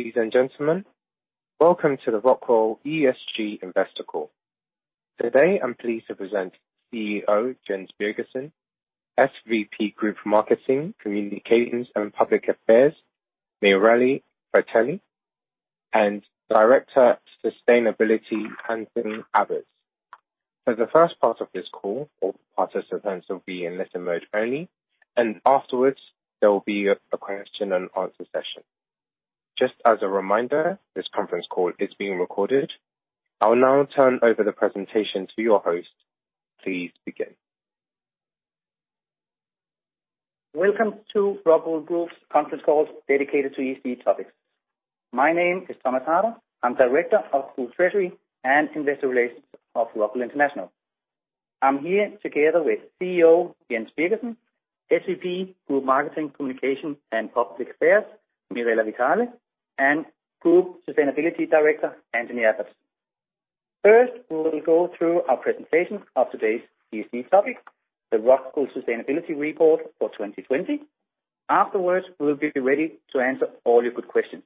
Ladies and gentlemen, welcome to the ROCKWOOL ESG Investor Call. Today, I'm pleased to present CEO Jens Birgersson, SVP Group Marketing, Communications, and Public Affairs Mirella Vitale, and Director Sustainability Anthony Abbotts. For the first part of this call, all participants will be in listen mode only, and afterwards, there will be a question-and-answer session. Just as a reminder, this conference call is being recorded. I'll now turn over the presentation to your host. Please begin. Welcome to ROCKWOOL Group's Conference Calls dedicated to ESG topics. My name is Thomas Harder. I'm Director of Group Treasury and Investor Relations of ROCKWOOL International. I'm here together with CEO Jens Birgersson, SVP Group Marketing, Communications, and Public Affairs Mirella Vitale, and Group Sustainability Director Anthony Abbotts. First, we will go through our presentation of today's ESG topic, the ROCKWOOL Sustainability Report for 2020. Afterwards, we'll be ready to answer all your good questions.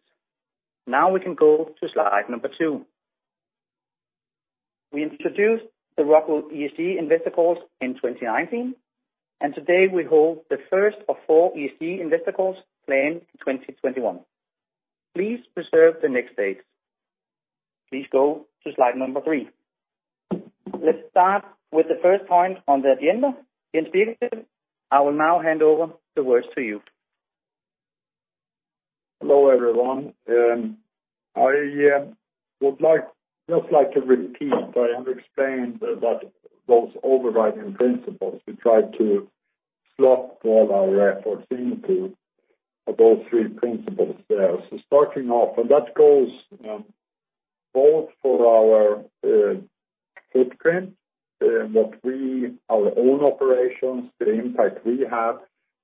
Now, we can go to slide number two. We introduced the ROCKWOOL ESG Investor Calls in 2019, and today, we hold the first of four ESG Investor Calls planned in 2021. Please reserve the next date. Please go to slide number three. Let's start with the first point on the agenda. Jens Birgersson, I will now hand over the words to you. Hello, everyone. I would just like to repeat, I have explained about those overriding principles we tried to slot all our efforts into those three principles there. So starting off, and that goes both for our footprint, what we, our own operations, the impact we have,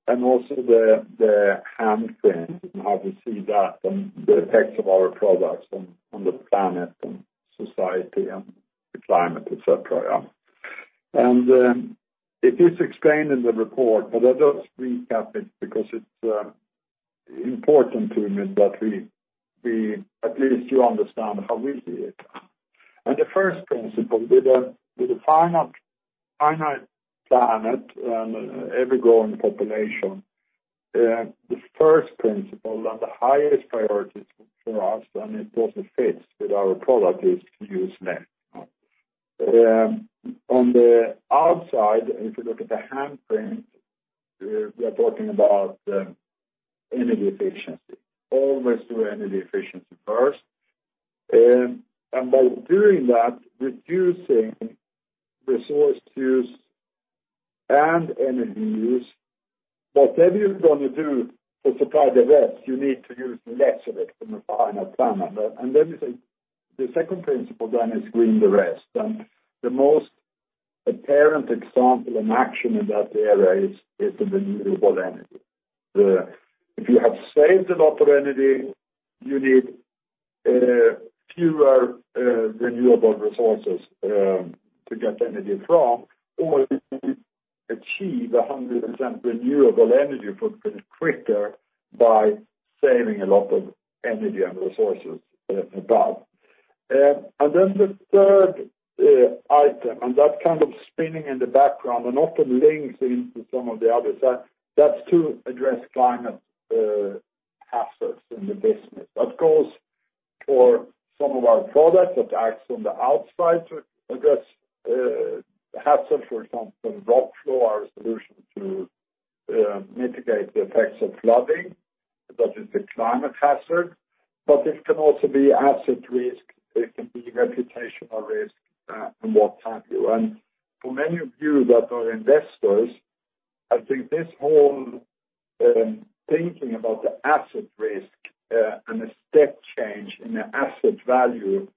and also the handprint and how we see that and the effects of our products on the planet and society and the climate, etc. And it is explained in the report, but I'll just recap it because it's important to me that at least you understand how we see it. And the first principle, with a finite planet and ever-growing population, the first principle and the highest priorities for us, and it also fits with our product, is to use less. On the outside, if you look at the handprint, we are talking about energy efficiency, always do energy efficiency first. By doing that, reducing resource use and energy use, whatever you're going to do to supply the rest, you need to use less of it from a finite planet. The second principle then is green the rest. The most apparent example and action in that area is renewable energy. If you have saved a lot of energy, you need fewer renewable resources to get energy from, or you achieve 100% renewable energy footprint quicker by saving a lot of energy and resources above. The third item, and that kind of spinning in the background and often links into some of the others, that's to address climate hazards in the business. That goes for some of our products that act on the outside to address hazards, for example, Rockflow, our solution to mitigate the effects of flooding, that is the climate hazard. But it can also be asset risk. It can be reputational risk and what have you. And for many of you that are investors, I think this whole thinking about the asset risk and a step change in the asset value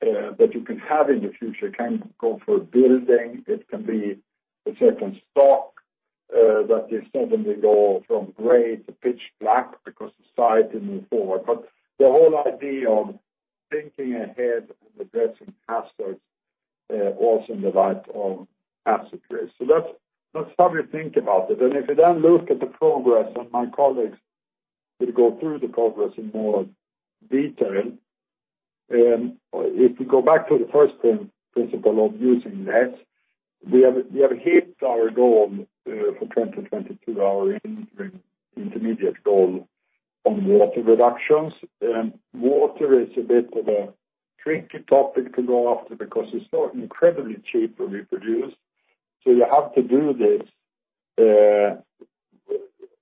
that you can have in the future can go for a building. It can be a certain stock that is suddenly go from gray to pitch black because society moved forward. But the whole idea of thinking ahead and addressing hazards also in the light of asset risk. So that's how we think about it. And if you then look at the progress, and my colleagues will go through the progress in more detail, if we go back to the first principle of using less, we have hit our goal for 2022, our intermediate goal on water reductions. Water is a bit of a tricky topic to go after because it's so incredibly cheap to reproduce. So you have to do this,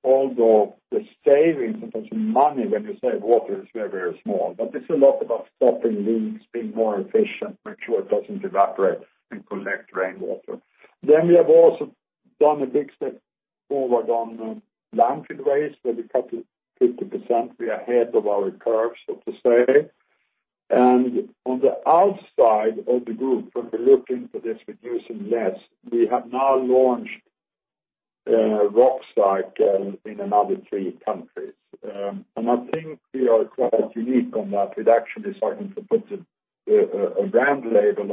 although the savings in terms of money when you save water is very, very small. But it's a lot about stopping leaks, being more efficient, make sure it doesn't evaporate, and collect rainwater. Then we have also done a big step forward on landfill waste, where we cut 50%. We are ahead of our curve, so to say. And on the outside of the group, when we look into this reducing less, we have now launched Rockcycle in another three countries. And I think we are quite unique on that. We're actually starting to put a brand label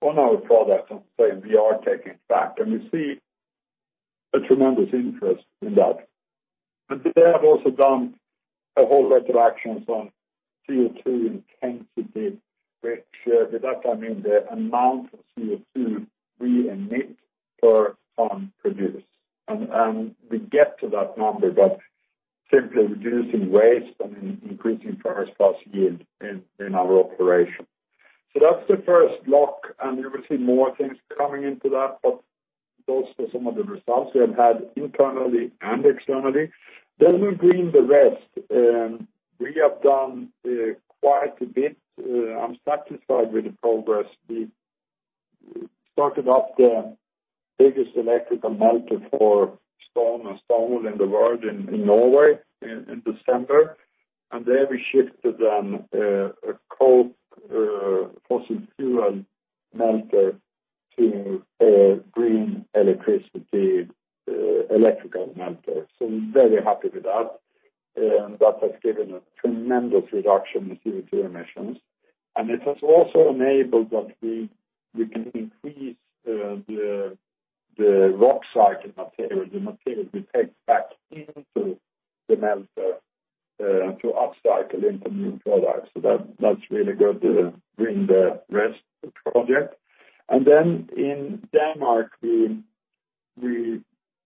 on our product and say, "We are taking it back." And we see a tremendous interest in that. But they have also done a whole lot of actions on CO2 intensity, which with that, I mean the amount of CO2 we emit per ton produced. And we get to that number by simply reducing waste and increasing furnace loss yield in our operation. So that's the first block. And you will see more things coming into that, but those were some of the results we have had internally and externally. Then we're greening the rest. We have done quite a bit. I'm satisfied with the progress. We started up the biggest electrical melter for stone wool in the world in Norway in December. And there we shifted from a cold fossil fuel melter to a green electricity electrical melter. So we're very happy with that. And that has given a tremendous reduction in CO2 emissions. It has also enabled that we can increase the Rockcycle material, the material we take back into the melter to upcycle into new products. So that's really good to green the rest of the project. Then in Denmark, we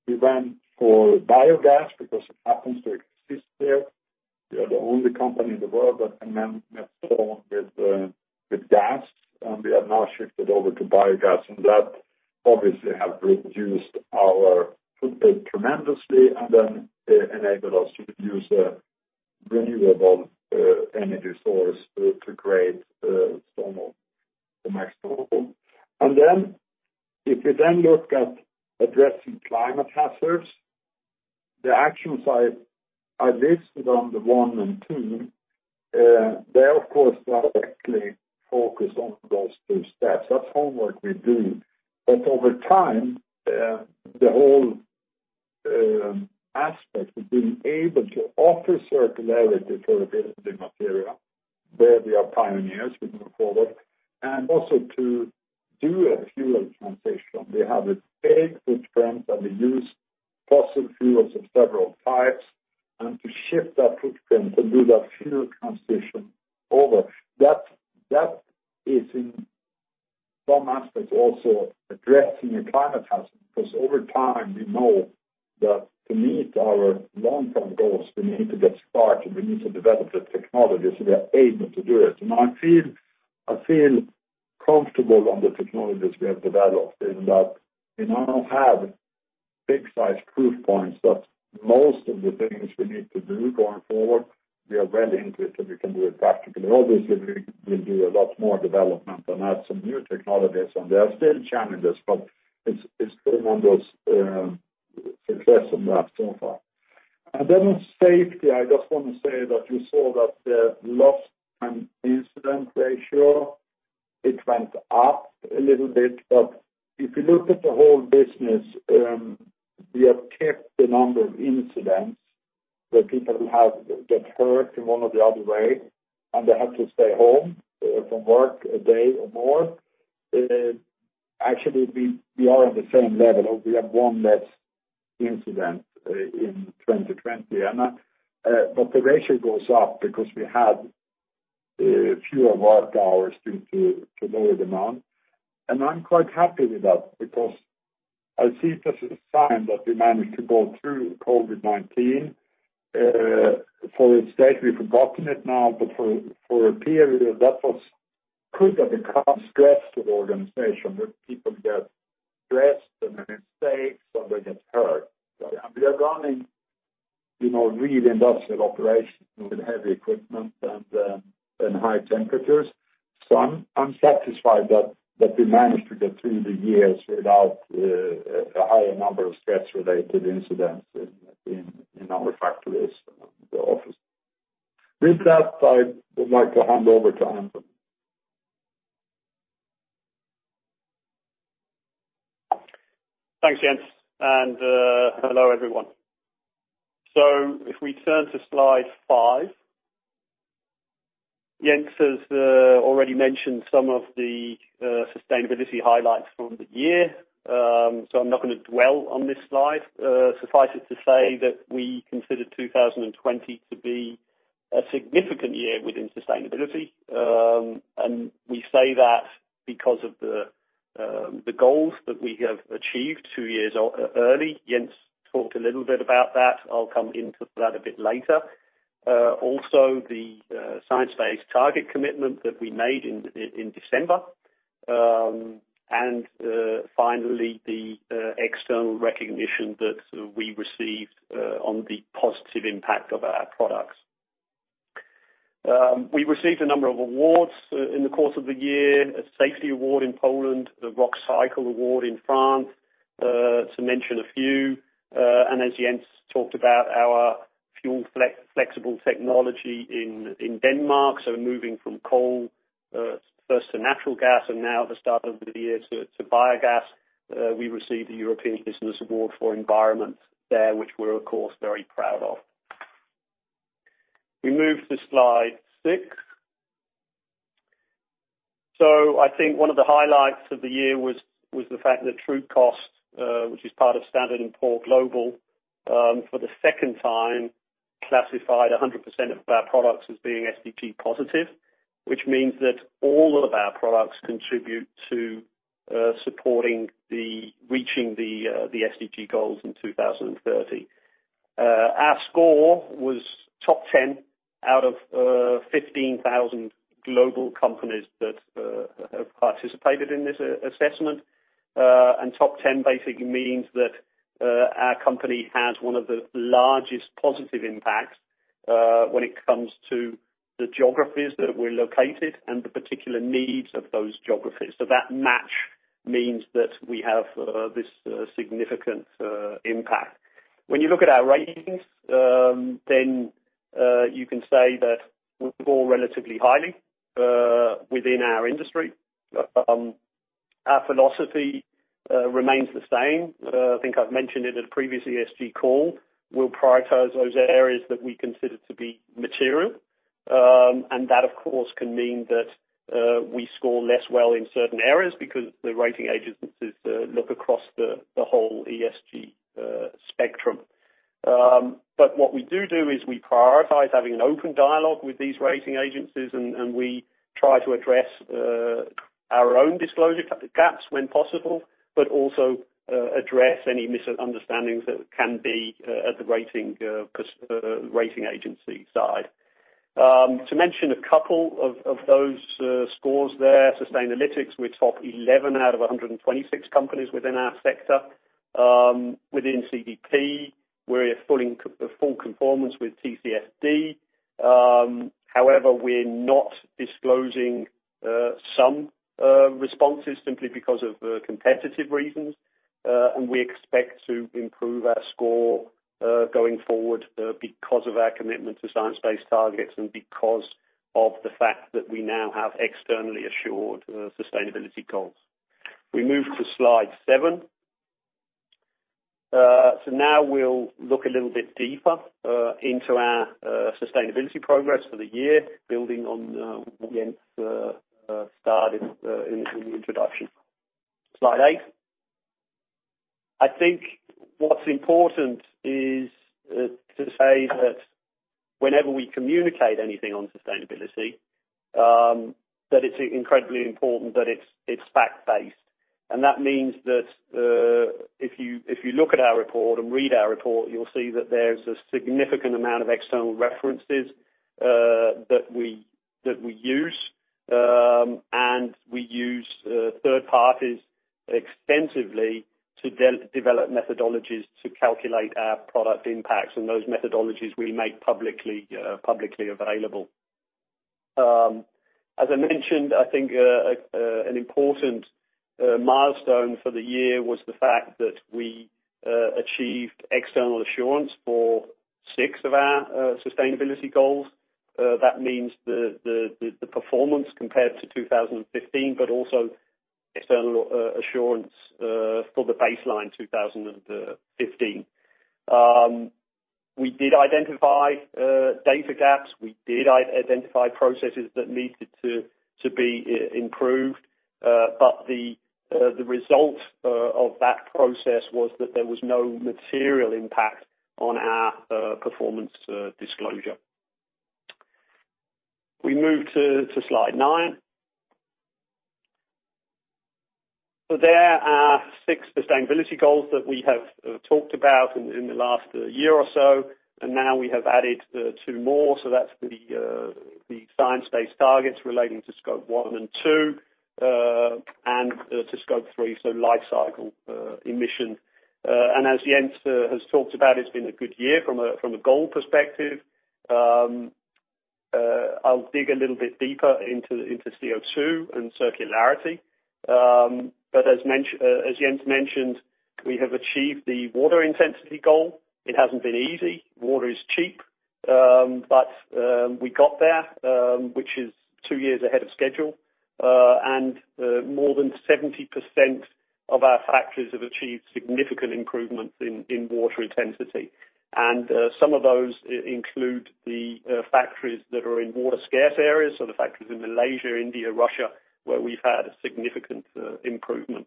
went for biogas because it happens to exist there. We are the only company in the world that can melt stone with gas. We have now shifted over to biogas. That obviously has reduced our footprint tremendously and then enabled us to use a renewable energy source to create stone wool, the max stone wool. If you then look at addressing climate hazards, the actions I listed on the one and two, they of course directly focus on those two steps. That's homework we do. Over time, the whole aspect of being able to offer circularity for a building material, where we are pioneers to move forward, and also to do a fuel transition. We have a big footprint, and we use fossil fuels of several types. To shift that footprint and do that fuel transition over, that is in some aspects also addressing a climate hazard. Over time, we know that to meet our long-term goals, we need to get started. We need to develop the technologies we are able to do it. I feel comfortable on the technologies we have developed in that we now have big-sized proof points that most of the things we need to do going forward, we are well into it, and we can do it practically. Obviously, we'll do a lot more development and add some new technologies. There are still challenges, but it's tremendous success on that so far. Then on safety, I just want to say that you saw that the lost-time incident ratio, it went up a little bit. If you look at the whole business, we have kept the number of incidents where people get hurt in one or the other way, and they have to stay home from work a day or more. Actually, we are on the same level. We have one less incident in 2020. The ratio goes up because we had fewer work hours due to lower demand. I'm quite happy with that because I see it as a sign that we managed to go through COVID-19. For its sake, we've forgotten it now. For a period, that could have become stressful organization where people get stressed and make mistakes, and they get hurt. We are running really industrial operations with heavy equipment and high temperatures. I'm satisfied that we managed to get through the years without a higher number of stress-related incidents in our factories and the office. With that, I would like to hand over to Anthony. Thanks, Jens. And hello, everyone. So if we turn to Slide 5, Jens has already mentioned some of the sustainability highlights from the year. So I'm not going to dwell on this slide. Suffice it to say that we consider 2020 to be a significant year within sustainability. And we say that because of the goals that we have achieved two years early. Jens talked a little bit about that. I'll come into that a bit later. Also, the science-based target commitment that we made in December. And finally, the external recognition that we received on the positive impact of our products. We received a number of awards in the course of the year: a safety award in Poland, the Rockcycle Award in France, to mention a few. And as Jens talked about, our fuel-flexible technology in Denmark. Moving from coal first to natural gas and now at the start of the year to biogas, we received the European Business Award for Environment there, which we're, of course, very proud of. We move to Slide 6. I think one of the highlights of the year was the fact that Trucost, which is part of Standard & Poor Global, for the second time classified 100% of our products as being SDG positive, which means that all of our products contribute to supporting reaching the SDG goals in 2030. Our score was top 10 out of 15,000 global companies that have participated in this assessment. And top 10 basically means that our company has one of the largest positive impacts when it comes to the geographies that we're located and the particular needs of those geographies. So that match means that we have this significant impact. When you look at our ratings, then you can say that we're scored relatively highly within our industry. Our philosophy remains the same. I think I've mentioned it at a previous ESG call. We'll prioritize those areas that we consider to be material. And that, of course, can mean that we score less well in certain areas because the rating agencies look across the whole ESG spectrum. But what we do do is we prioritize having an open dialogue with these rating agencies, and we try to address our own disclosure gaps when possible, but also address any misunderstandings that can be at the rating agency side. To mention a couple of those scores there, Sustainalytics, we're top 11 out of 126 companies within our sector. Within CDP, we're in full conformance with TCFD. However, we're not disclosing some responses simply because of competitive reasons. And we expect to improve our score going forward because of our commitment to science-based targets and because of the fact that we now have externally assured sustainability goals. We move to Slide 7. So now we'll look a little bit deeper into our sustainability progress for the year, building on what Jens started in the introduction. Slide 8. I think what's important is to say that whenever we communicate anything on sustainability, that it's incredibly important that it's fact-based. And that means that if you look at our report and read our report, you'll see that there's a significant amount of external references that we use. And we use third parties extensively to develop methodologies to calculate our product impacts. And those methodologies we make publicly available. As I mentioned, I think an important milestone for the year was the fact that we achieved external assurance for six of our sustainability goals. That means the performance compared to 2015, but also external assurance for the baseline 2015. We did identify data gaps. We did identify processes that needed to be improved. But the result of that process was that there was no material impact on our performance disclosure. We move to Slide 9. So there are six sustainability goals that we have talked about in the last year or so. And now we have added two more. So that's the science-based targets relating to Scope 1 and 2 and to Scope 3, so life cycle emission. And as Jens has talked about, it's been a good year from a goal perspective. I'll dig a little bit deeper into CO2 and circularity. But as Jens mentioned, we have achieved the water intensity goal. It hasn't been easy. Water is cheap. But we got there, which is two years ahead of schedule. And more than 70% of our factories have achieved significant improvements in water intensity. And some of those include the factories that are in water scarce areas, so the factories in Malaysia, India, Russia, where we've had significant improvement.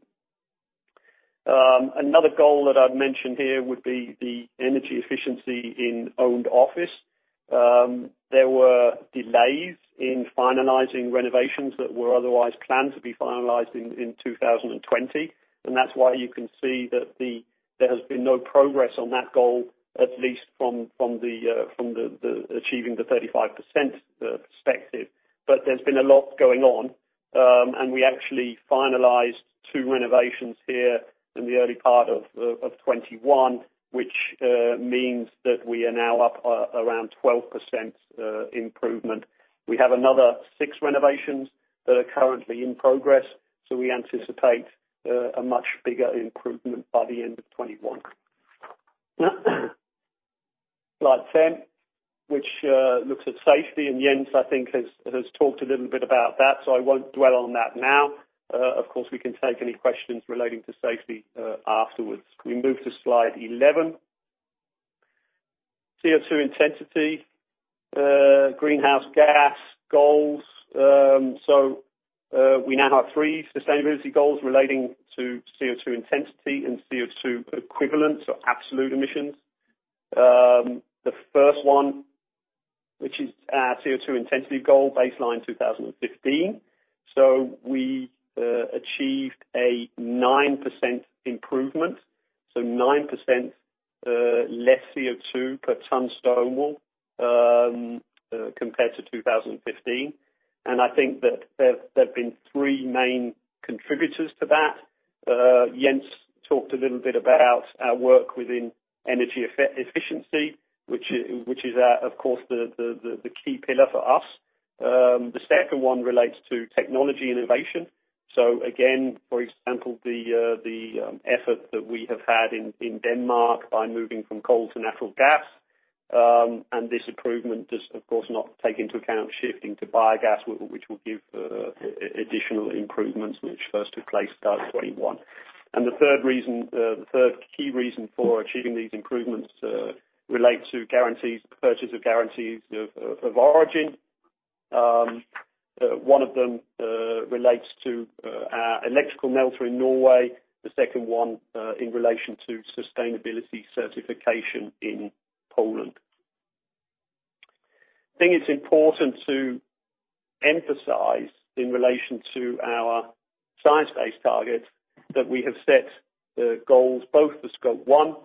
Another goal that I'd mention here would be the energy efficiency in owned office. There were delays in finalizing renovations that were otherwise planned to be finalized in 2020. And that's why you can see that there has been no progress on that goal, at least from the achieving the 35% perspective. But there's been a lot going on. And we actually finalized two renovations here in the early part of 2021, which means that we are now up around 12% improvement. We have another six renovations that are currently in progress, so we anticipate a much bigger improvement by the end of 2021. Slide 10, which looks at safety, and Jens, I think, has talked a little bit about that, so I won't dwell on that now. Of course, we can take any questions relating to safety afterwards. We move to Slide 11, CO2 intensity, greenhouse gas goals. We now have three sustainability goals relating to CO2 intensity and CO2 equivalent, so absolute emissions. The first one, which is our CO2 intensity goal, baseline 2015, achieved a 9% improvement, so 9% less CO2 per ton stone wool compared to 2015. I think that there have been three main contributors to that. Jens talked a little bit about our work within energy efficiency, which is, of course, the key pillar for us. The second one relates to technology innovation. So again, for example, the effort that we have had in Denmark by moving from coal to natural gas. And this improvement does, of course, not take into account shifting to biogas, which will give additional improvements, which first took place in 2021. And the third key reason for achieving these improvements relates to purchase of guarantees of origin. One of them relates to our electrical melter in Norway. The second one in relation to sustainability certification in Poland. I think it's important to emphasize in relation to our science-based targets that we have set goals, both for Scope 1,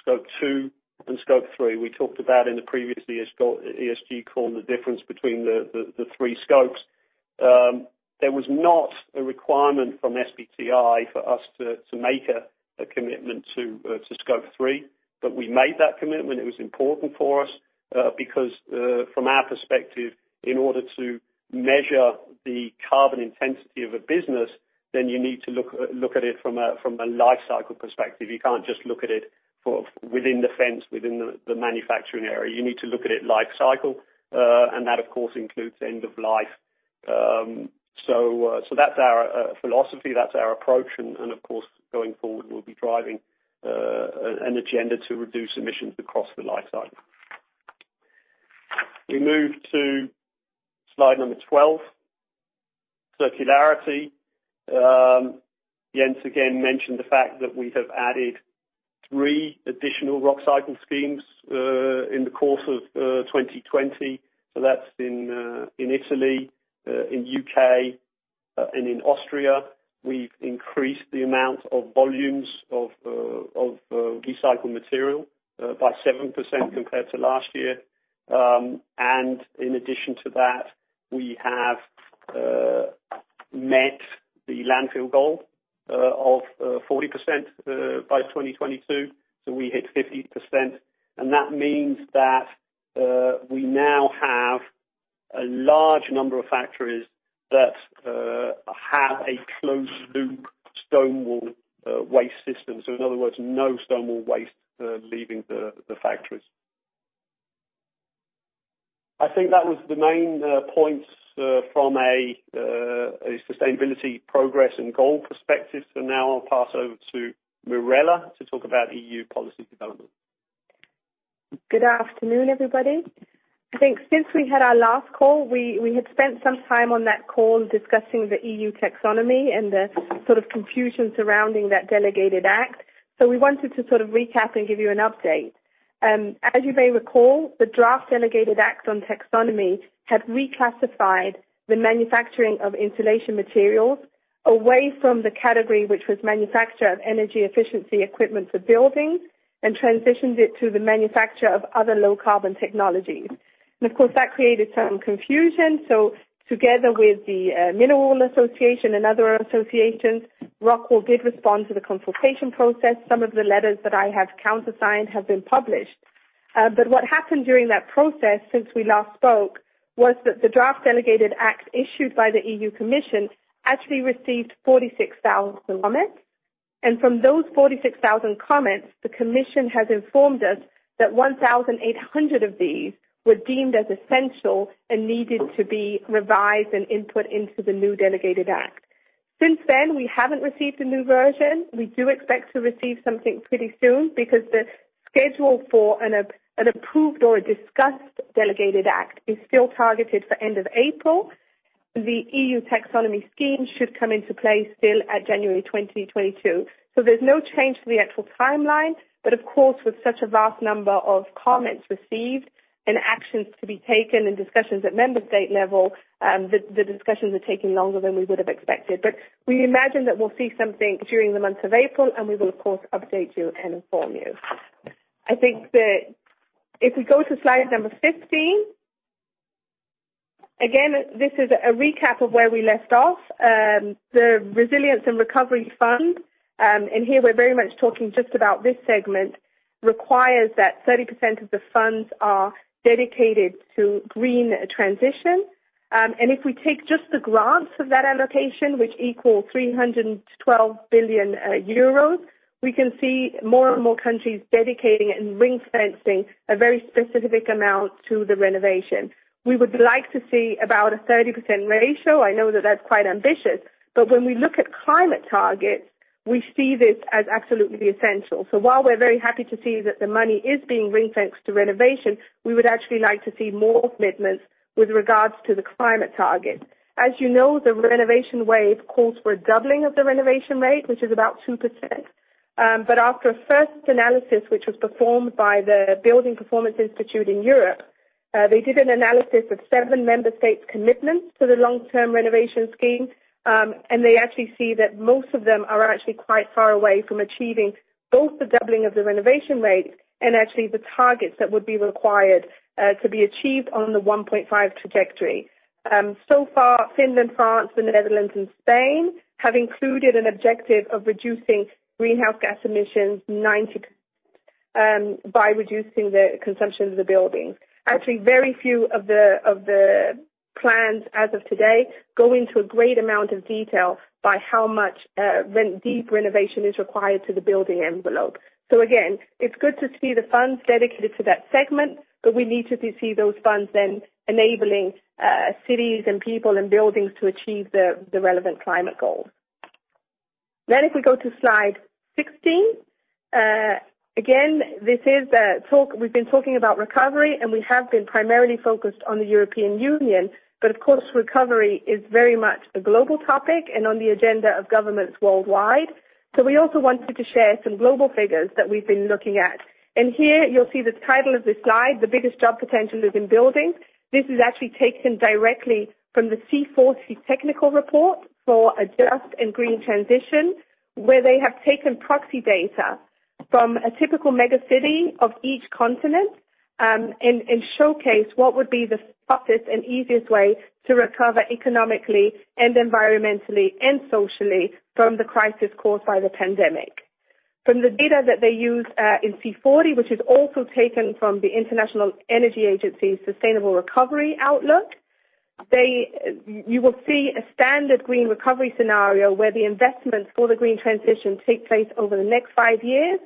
Scope 2, and Scope 3. We talked about in the previous ESG call the difference between the three scopes. There was not a requirement from SBTi for us to make a commitment to scope three. But we made that commitment. It was important for us because, from our perspective, in order to measure the carbon intensity of a business, then you need to look at it from a life cycle perspective. You can't just look at it within the fence, within the manufacturing area. You need to look at it life cycle, and that, of course, includes end of life. So that's our philosophy. That's our approach, and, of course, going forward, we'll be driving an agenda to reduce emissions across the lifecycle. We move to Slide 12, circularity. Jens again mentioned the fact that we have added three additional Rockcycle schemes in the course of 2020. That's in Italy, in the U.K., and in Austria. We've increased the amount of volumes of recycled material by 7% compared to last year. And in addition to that, we have met the landfill goal of 40% by 2022. So we hit 50%. And that means that we now have a large number of factories that have a closed-loop stone wool waste system. So, in other words, no stone wool waste leaving the factories. I think that was the main points from a sustainability progress and goal perspective. So now I'll pass over to Mirella to talk about EU policy development. Good afternoon, everybody. I think since we had our last call, we had spent some time on that call discussing the EU Taxonomy and the sort of confusion surrounding that Delegated Act. So we wanted to sort of recap and give you an update. As you may recall, the draft Delegated Act on Taxonomy had reclassified the manufacturing of insulation materials away from the category which was manufacture of energy efficiency equipment for buildings and transitioned it to the manufacture of other low-carbon technologies. And, of course, that created some confusion. So, together with the Mineral Wool Association and other associations, Rockwool did respond to the consultation process. Some of the letters that I have countersigned have been published. But what happened during that process, since we last spoke, was that the draft Delegated Act issued by the EU Commission actually received 46,000 comments. From those 46,000 comments, the Commission has informed us that 1,800 of these were deemed as essential and needed to be revised and input into the new Delegated Act. Since then, we haven't received a new version. We do expect to receive something pretty soon because the schedule for an approved or a discussed Delegated Act is still targeted for end of April. The EU Taxonomy scheme should come into play still at January 2022. So there's no change to the actual timeline. But, of course, with such a vast number of comments received and actions to be taken and discussions at member state level, the discussions are taking longer than we would have expected. But we imagine that we'll see something during the month of April, and we will, of course, update you and inform you. I think that if we go to Slide 15, again, this is a recap of where we left off. The Recovery and Resilience Facility, and here we're very much talking just about this segment, requires that 30% of the funds are dedicated to green transition, and if we take just the grants of that allocation, which equal 312 billion euros, we can see more and more countries dedicating and ring-fencing a very specific amount to the renovation. We would like to see about a 30% ratio. I know that that's quite ambitious, but when we look at climate targets, we see this as absolutely essential, so while we're very happy to see that the money is being ring-fenced to renovation, we would actually like to see more commitments with regards to the climate targets. As you know, the Renovation Wave calls for a doubling of the renovation rate, which is about 2%. But after a first analysis, which was performed by the Building Performance Institute in Europe, they did an analysis of seven member states' commitments to the long-term renovation scheme, and they actually see that most of them are actually quite far away from achieving both the doubling of the renovation rate and actually the targets that would be required to be achieved on the 1.5 trajectory, so far, Finland, France, the Netherlands, and Spain have included an objective of reducing greenhouse gas emissions 90% by reducing the consumption of the buildings. Actually, very few of the plans as of today go into a great amount of detail by how much deep renovation is required to the building envelope. So, again, it's good to see the funds dedicated to that segment, but we need to see those funds then enabling cities and people and buildings to achieve the relevant climate goals. Then, if we go to Slide 16, again, this is a talk we've been talking about recovery, and we have been primarily focused on the European Union. But, of course, recovery is very much a global topic and on the agenda of governments worldwide. So we also wanted to share some global figures that we've been looking at. Here, you'll see the title of this slide, "The Biggest Job Potential is in Buildings." This is actually taken directly from the C40 technical report for a just and green transition, where they have taken proxy data from a typical megacity of each continent and showcased what would be the fastest and easiest way to recover economically and environmentally and socially from the crisis caused by the pandemic. From the data that they use in C40, which is also taken from the International Energy Agency's sustainable recovery outlook, you will see a standard green recovery scenario where the investments for the green transition take place over the next five years,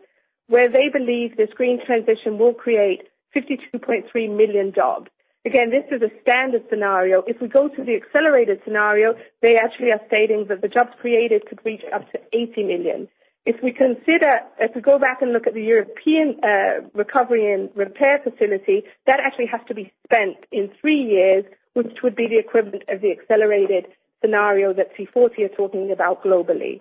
where they believe this green transition will create 52.3 million jobs. Again, this is a standard scenario. If we go to the accelerated scenario, they actually are stating that the jobs created could reach up to 80 million. If we go back and look at the Recovery and Resilience Facility, that actually has to be spent in three years, which would be the equivalent of the accelerated scenario that C40 are talking about globally.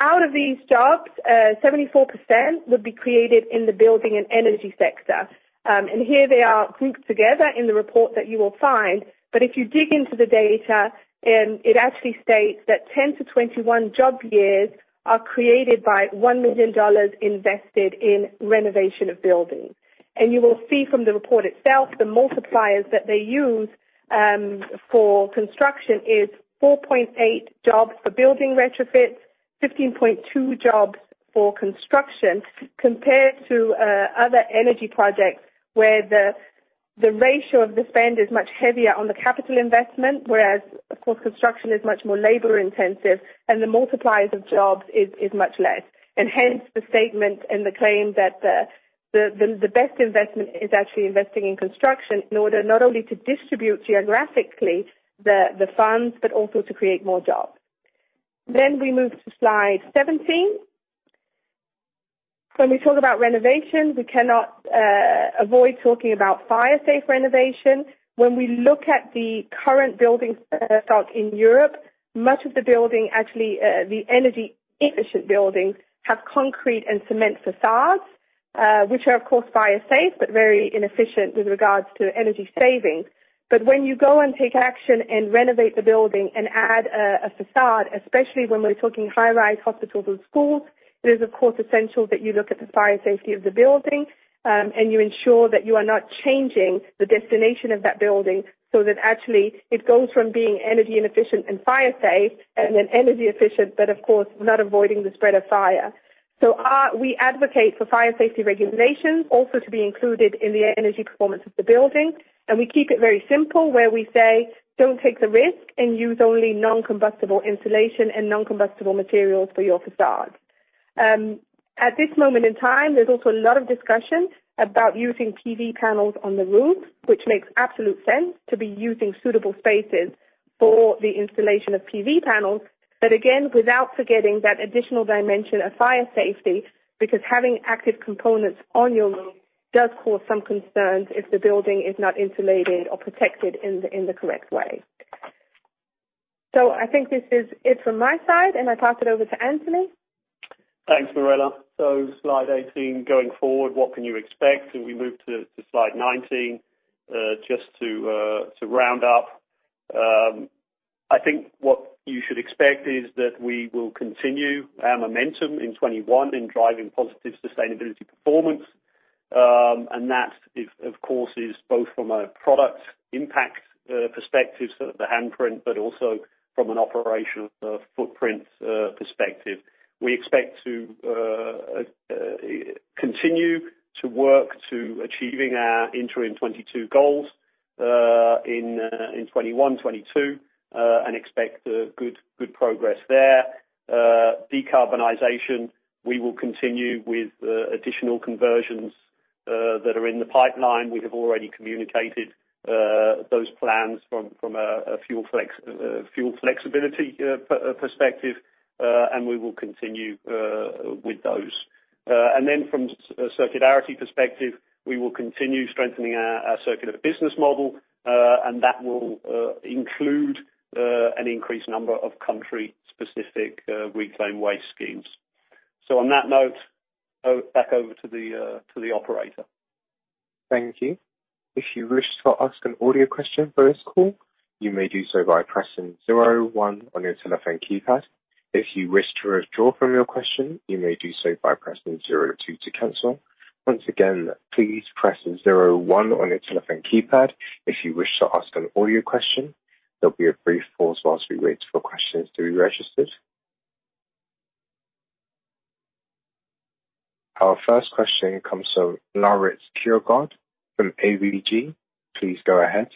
Out of these jobs, 74% would be created in the building and energy sector, and here they are grouped together in the report that you will find, but if you dig into the data, it actually states that 10-21 job years are created by $1 million invested in renovation of buildings, and you will see from the report itself, the multipliers that they use for construction is 4.8 jobs for building retrofits, 15.2 jobs for construction, compared to other energy projects where the ratio of the spend is much heavier on the capital investment, whereas, of course, construction is much more labor-intensive, and the multipliers of jobs is much less. And hence, the statement and the claim that the best investment is actually investing in construction in order not only to distribute geographically the funds, but also to create more jobs. Then we move to Slide 17. When we talk about renovation, we cannot avoid talking about fire-safe renovation. When we look at the current building facade in Europe, much of the building, actually the energy-efficient buildings, have concrete and cement facades, which are, of course, fire-safe but very inefficient with regards to energy savings. When you go and take action and renovate the building and add a facade, especially when we're talking high-rise hospitals and schools, it is, of course, essential that you look at the fire safety of the building and you ensure that you are not changing the destination of that building so that actually it goes from being energy-inefficient and fire-safe and then energy-efficient but, of course, not avoiding the spread of fire. We advocate for fire safety regulations also to be included in the energy performance of the building. We keep it very simple, where we say, "Don't take the risk and use only non-combustible insulation and non-combustible materials for your facades." At this moment in time, there's also a lot of discussion about using PV panels on the roof, which makes absolute sense to be using suitable spaces for the installation of PV panels. But, again, without forgetting that additional dimension of fire safety, because having active components on your roof does cause some concerns if the building is not insulated or protected in the correct way. So I think this is it from my side, and I pass it over to Anthony. Thanks, Mirella. So Slide 18, going forward, what can you expect? And we move to Slide 19 just to round up. I think what you should expect is that we will continue our momentum in 2021 in driving positive sustainability performance. And that, of course, is both from a product impact perspective, so the handprint, but also from an operational footprint perspective. We expect to continue to work to achieving our interim 22 goals in 2021, 2022, and expect good progress there. Decarbonization, we will continue with additional conversions that are in the pipeline. We have already communicated those plans from a fuel flexibility perspective, and we will continue with those. And then, from a circularity perspective, we will continue strengthening our circular business model, and that will include an increased number of country-specific reclaimed waste schemes. So, on that note, back over to the operator. Thank you. If you wish to ask an audio question for this call, you may do so by pressing zero one on your telephone keypad. If you wish to withdraw from your question, you may do so by pressing zero two to cancel. Once again, please press zero one on your telephone keypad. If you wish to ask an audio question, there'll be a brief pause whilst we wait for questions to be registered. Our first question comes from Laurits Kjaergaard from ABG. Please go ahead.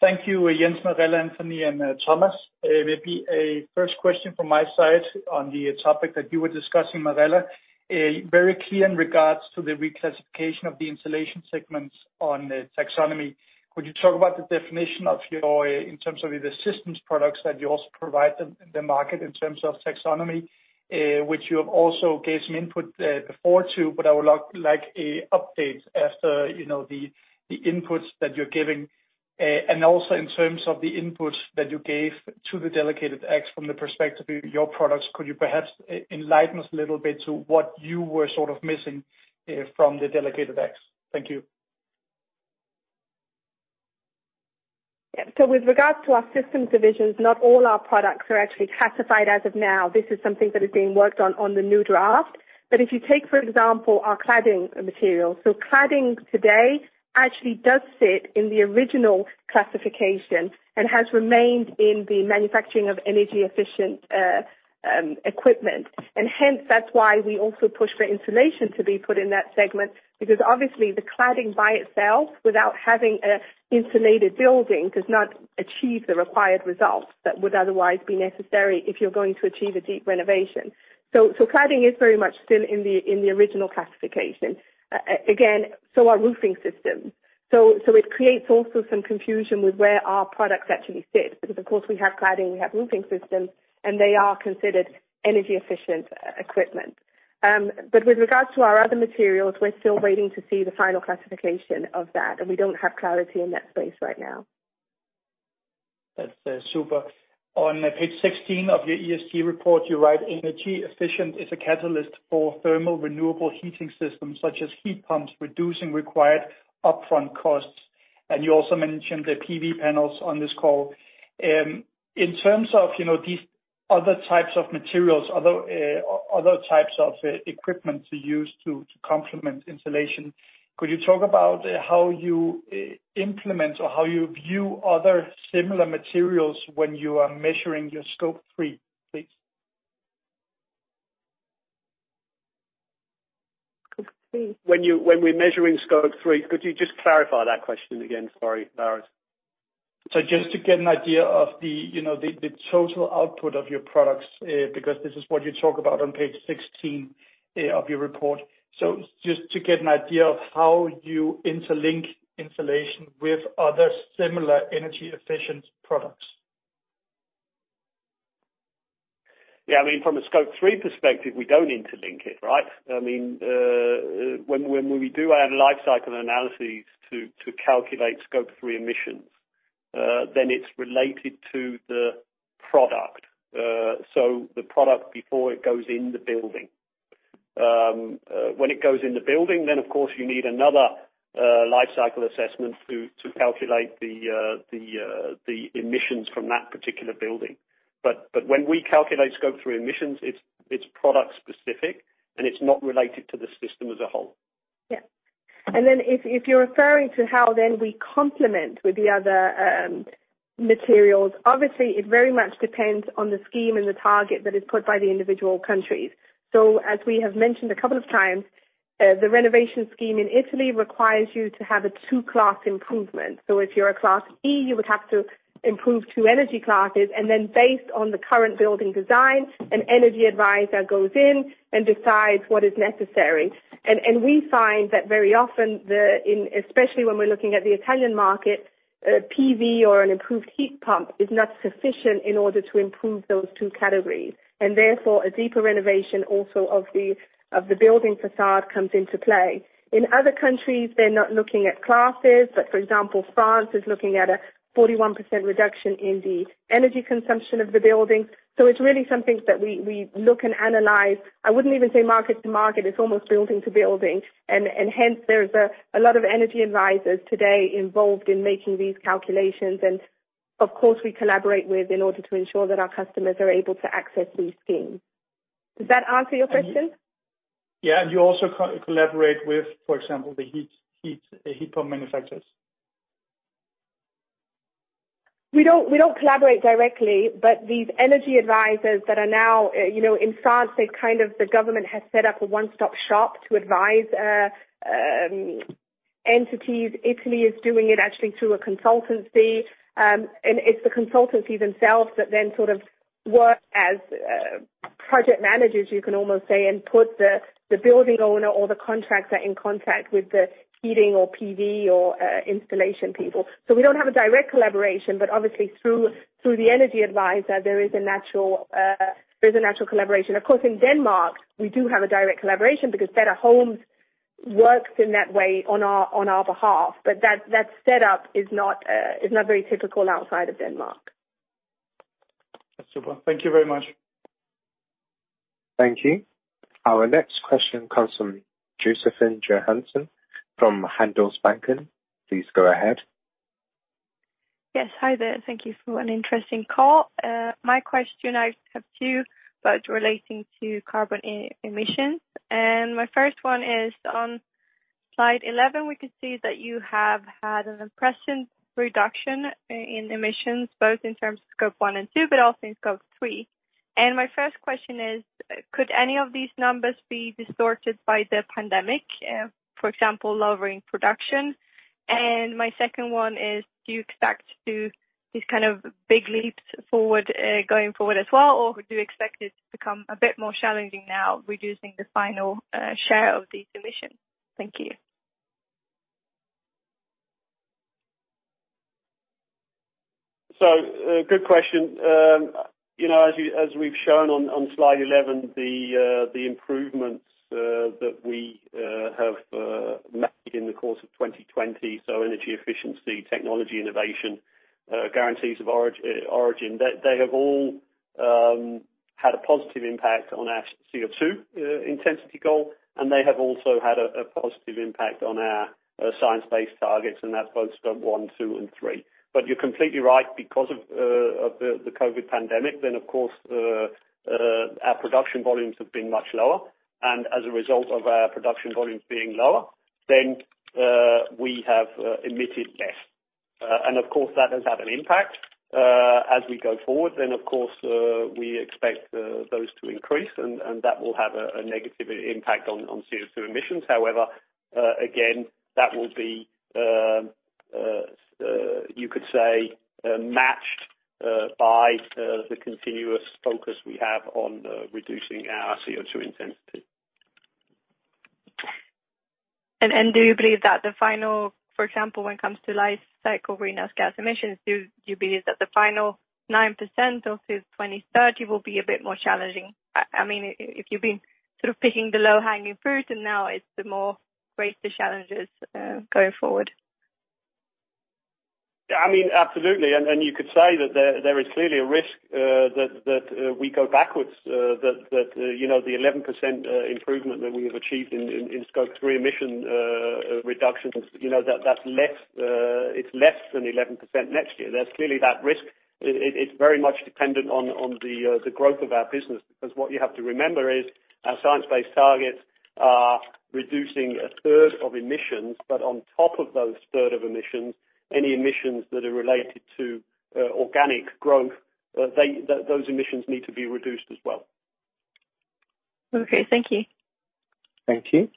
Thank you, Jens, Mirella, Anthony, and Thomas. Maybe a first question from my side on the topic that you were discussing, Mirella. Very clear in regards to the reclassification of the insulation segments on taxonomy. Could you talk about the definition of your in terms of the systems products that you also provide in the market in terms of taxonomy, which you have also given some input before to, but I would like an update after the inputs that you're giving. And also, in terms of the inputs that you gave to the delegated acts from the perspective of your products, could you perhaps enlighten us a little bit to what you were sort of missing from the delegated acts? Thank you. Yeah. So, with regards to our systems divisions, not all our products are actually classified as of now. This is something that is being worked on on the new draft. But if you take, for example, our cladding materials, so cladding today actually does sit in the original classification and has remained in the manufacturing of energy-efficient equipment. And hence, that's why we also push for insulation to be put in that segment, because, obviously, the cladding by itself, without having an insulated building, does not achieve the required results that would otherwise be necessary if you're going to achieve a deep renovation. So, cladding is very much still in the original classification. Again, so are roofing systems. So, it creates also some confusion with where our products actually sit, because, of course, we have cladding, we have roofing systems, and they are considered energy-efficient equipment. But with regards to our other materials, we're still waiting to see the final classification of that, and we don't have clarity in that space right now. That's super. On Page 16 of your ESG report, you write, "Energy efficiency is a catalyst for thermal renewable heating systems such as heat pumps, reducing required upfront costs." And you also mentioned the PV panels on this call. In terms of these other types of materials, other types of equipment to use to complement insulation, could you talk about how you implement or how you view other similar materials when you are measuring your Scope 3, please? When we're measuring Scope 3, could you just clarify that question again? Sorry, Laurits. So, just to get an idea of the total output of your products, because this is what you talk about on Page 16 of your report. So, just to get an idea of how you interlink insulation with other similar energy-efficient products. Yeah. I mean, from a Scope 3 perspective, we don't interlink it, right? I mean, when we do our lifecycle analyses to calculate Scope 3 emissions, then it's related to the product. So, the product before it goes in the building. When it goes in the building, then, of course, you need another lifecycle assessment to calculate the emissions from that particular building. But when we calculate Scope 3 emissions, it's product-specific, and it's not related to the system as a whole. Yeah. And then, if you're referring to how then we complement with the other materials, obviously, it very much depends on the scheme and the target that is put by the individual countries. So, as we have mentioned a couple of times, the renovation scheme in Italy requires you to have a two-class improvement. So, if you're a Class E, you would have to improve two energy classes. And then, based on the current building design, an energy advisor goes in and decides what is necessary. And we find that very often, especially when we're looking at the Italian market, PV or an improved heat pump is not sufficient in order to improve those two categories. And therefore, a deeper renovation also of the building facade comes into play. In other countries, they're not looking at classes, but, for example, France is looking at a 41% reduction in the energy consumption of the buildings. So, it's really something that we look and analyze. I wouldn't even say market to market. It's almost building to building. And hence, there's a lot of energy advisors today involved in making these calculations. And, of course, we collaborate with in order to ensure that our customers are able to access these schemes. Does that answer your question? Yeah, and you also collaborate with, for example, the heat pump manufacturers? We don't collaborate directly, but these energy advisors that are now in France. They've kind of, the government has set up a one-stop shop to advise entities. Italy is doing it actually through a consultancy, and it's the consultancy themselves that then sort of work as project managers, you can almost say, and put the building owner or the contractor in contact with the heating or PV or installation people. So we don't have a direct collaboration, but obviously, through the energy advisor, there is a natural collaboration. Of course, in Denmark, we do have a direct collaboration because BetterHome works in that way on our behalf. But that setup is not very typical outside of Denmark. That's super. Thank you very much. Thank you. Our next question comes from Josefin Johansson from Handelsbanken. Please go ahead. Yes. Hi there. Thank you for an interesting call. My question, I have two, but relating to carbon emissions, and my first one is, on Slide 11, we could see that you have had an impressive reduction in emissions, both in terms of Scope 1 and 2, but also in Scope 3, and my first question is, could any of these numbers be distorted by the pandemic, for example, lowering production, and my second one is, do you expect to do these kind of big leaps going forward as well, or do you expect it to become a bit more challenging now, reducing the final share of these emissions? Thank you. Good question. As we've shown on Slide 11, the improvements that we have made in the course of 2020, so energy efficiency, technology innovation, guarantees of origin, they have all had a positive impact on our CO2 intensity goal, and they have also had a positive impact on our science-based targets, and that's both Scope 1, 2, and 3. But you're completely right. Because of the COVID pandemic, then, of course, our production volumes have been much lower. And as a result of our production volumes being lower, then we have emitted less. And, of course, that has had an impact as we go forward. Then, of course, we expect those to increase, and that will have a negative impact on CO2 emissions. However, again, that will be, you could say, matched by the continuous focus we have on reducing our CO2 intensity. Do you believe that the final, for example, when it comes to life cycle greenhouse gas emissions, do you believe that the final 9% of 2030 will be a bit more challenging? I mean, if you've been sort of picking the low-hanging fruit, and now it's the more greater challenges going forward. Yeah. I mean, absolutely. And you could say that there is clearly a risk that we go backwards, that the 11% improvement that we have achieved in Scope 3 emission reductions, that it's less than 11% next year. That's clearly that risk. It's very much dependent on the growth of our business, because what you have to remember is our science-based targets are reducing a third of emissions, but on top of those third of emissions, any emissions that are related to organic growth, those emissions need to be reduced as well. Okay. Thank you. Thank you.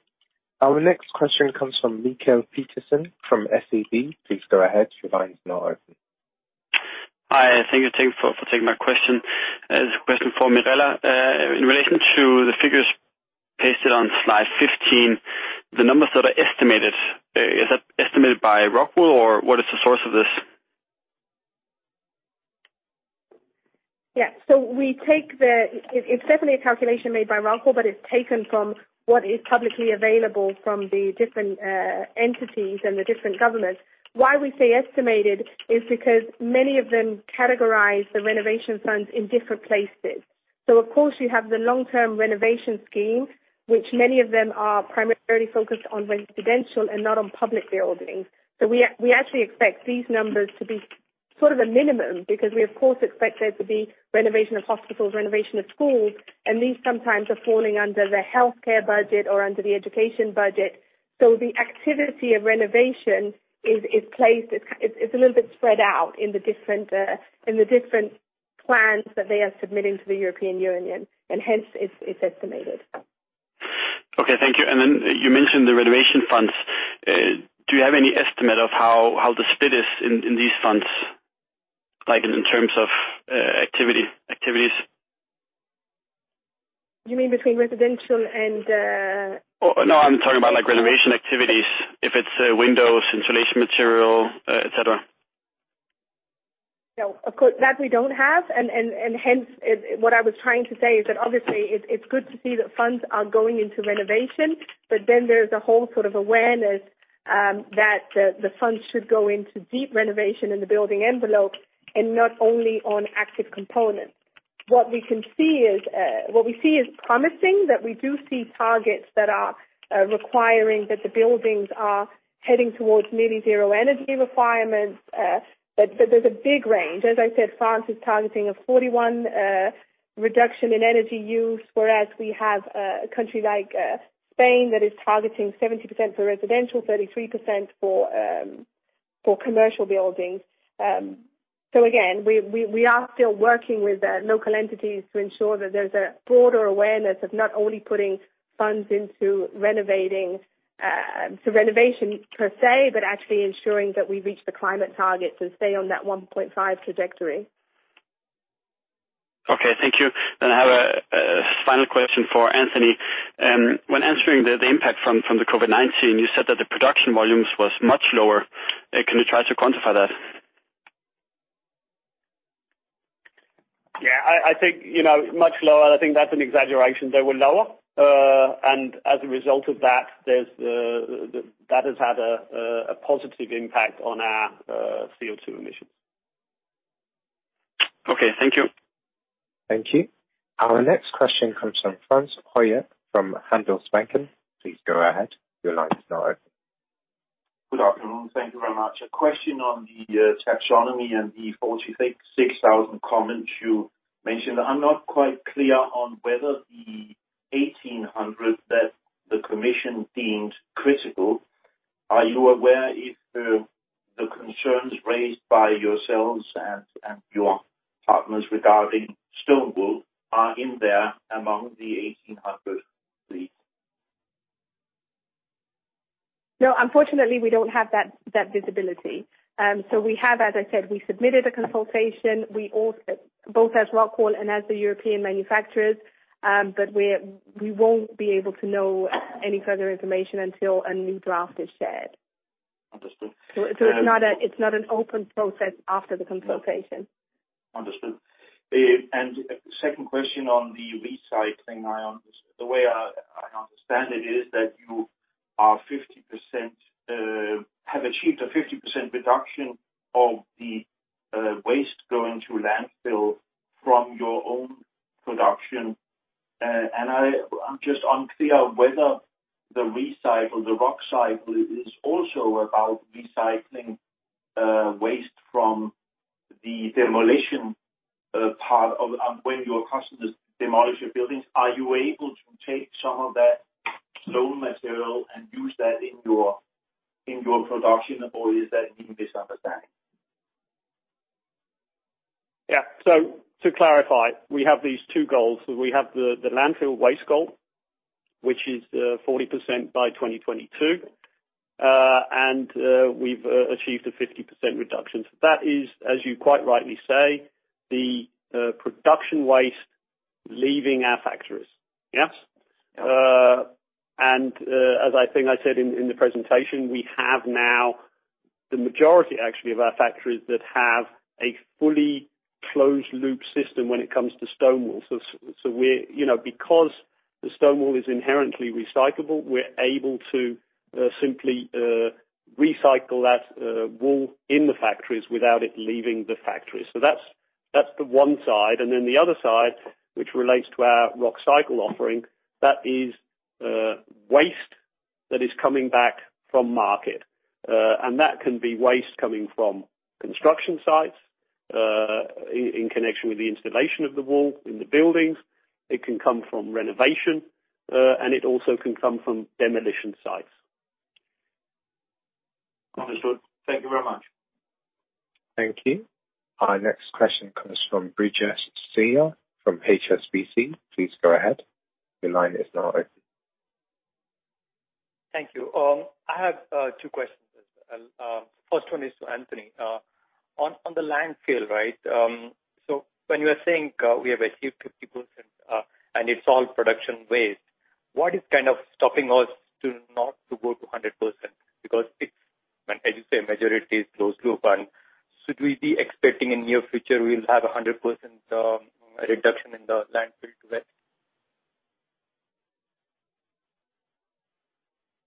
Our next question comes from Mikael Petersen from SEB. Please go ahead. Your line is now open. Hi. Thank you for taking my question. It's a question for Mirella. In relation to the figures pasted on Slide 15, the numbers that are estimated, is that estimated by ROCKWOOL, or what is the source of this? Yeah. So, we take it. It's definitely a calculation made by ROCKWOOL, but it's taken from what is publicly available from the different entities and the different governments. Why we say estimated is because many of them categorize the renovation funds in different places. So, of course, you have the long-term renovation scheme, which many of them are primarily focused on residential and not on public buildings. So, we actually expect these numbers to be sort of a minimum, because we, of course, expect there to be renovation of hospitals, renovation of schools, and these sometimes are falling under the healthcare budget or under the education budget. So, the activity of renovation is placed. It's a little bit spread out in the different plans that they are submitting to the European Union, and hence, it's estimated. Okay. Thank you. And then, you mentioned the renovation funds. Do you have any estimate of how the split is in these funds, like in terms of activities? You mean between residential and? No, I'm talking about renovation activities, if it's windows, insulation material, etc. No. Of course, that we don't have. And hence, what I was trying to say is that, obviously, it's good to see that funds are going into renovation, but then there's a whole sort of awareness that the funds should go into deep renovation in the building envelope and not only on active components. What we can see is promising, that we do see targets that are requiring that the buildings are heading towards nearly zero energy requirements. But there's a big range. As I said, France is targeting a 41% reduction in energy use, whereas we have a country like Spain that is targeting 70% for residential, 33% for commercial buildings. So, again, we are still working with local entities to ensure that there's a broader awareness of not only putting funds into renovating to renovation per se, but actually ensuring that we reach the climate targets and stay on that 1.5 trajectory. Okay. Thank you. And I have a final question for Anthony. When answering the impact from the COVID-19, you said that the production volumes was much lower. Can you try to quantify that? Yeah. I think much lower. I think that's an exaggeration. They were lower. And as a result of that, that has had a positive impact on our CO2 emissions. Okay. Thank you. Thank you. Our next question comes from Frans Hoyer from Handelsbanken. Please go ahead. Your line is now open. Good afternoon. Thank you very much. A question on the taxonomy and the 46,000 comments you mentioned. I'm not quite clear on whether the 1,800 that the commission deemed critical. Are you aware if the concerns raised by yourselves and your partners regarding stone wool are in there among the 1,800, please? No. Unfortunately, we don't have that visibility. So, we have, as I said, we submitted a consultation, both as ROCKWOOL and as the European manufacturers, but we won't be able to know any further information until a new draft is shared. Understood. It's not an open process after the consultation. Understood, and second question on the recycling. The way I understand it is that you have achieved a 50% reduction of the waste going to landfill from your own production. And I'm just unclear whether the recycle, the Rockcycle, is also about recycling waste from the demolition part of when your customers demolish your buildings. Are you able to take some of that stone material and use that in your production, or is that misunderstanding? Yeah. So, to clarify, we have these two goals. We have the landfill waste goal, which is 40% by 2022, and we've achieved a 50% reduction. So, that is, as you quite rightly say, the production waste leaving our factories. Yes? And as I think I said in the presentation, we have now the majority, actually, of our factories that have a fully closed-loop system when it comes to stone wool. So, because the stone wool is inherently recyclable, we're able to simply recycle that wool in the factories without it leaving the factories. So, that's the one side. And then the other side, which relates to our Rockcycle offering, that is waste that is coming back from market. And that can be waste coming from construction sites in connection with the installation of the wool in the buildings. It can come from renovation, and it also can come from demolition sites. Understood. Thank you very much. Thank you. Our next question comes from Brijesh Siya from HSBC. Please go ahead. Your line is now open. Thank you. I have two questions. The first one is to Anthony. On the landfill, right, so when you are saying we have achieved 50% and it's all production waste, what is kind of stopping us to not go to 100%? Because it's, as you say, majority is closed-loop. And should we be expecting in the near future we'll have 100% reduction in the landfill waste?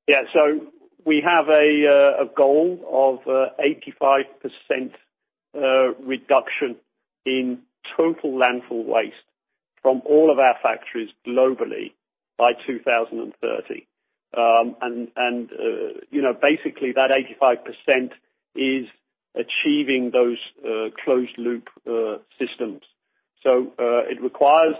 Yeah. So, we have a goal of 85% reduction in total landfill waste from all of our factories globally by 2030. And basically, that 85% is achieving those closed-loop systems. So, it requires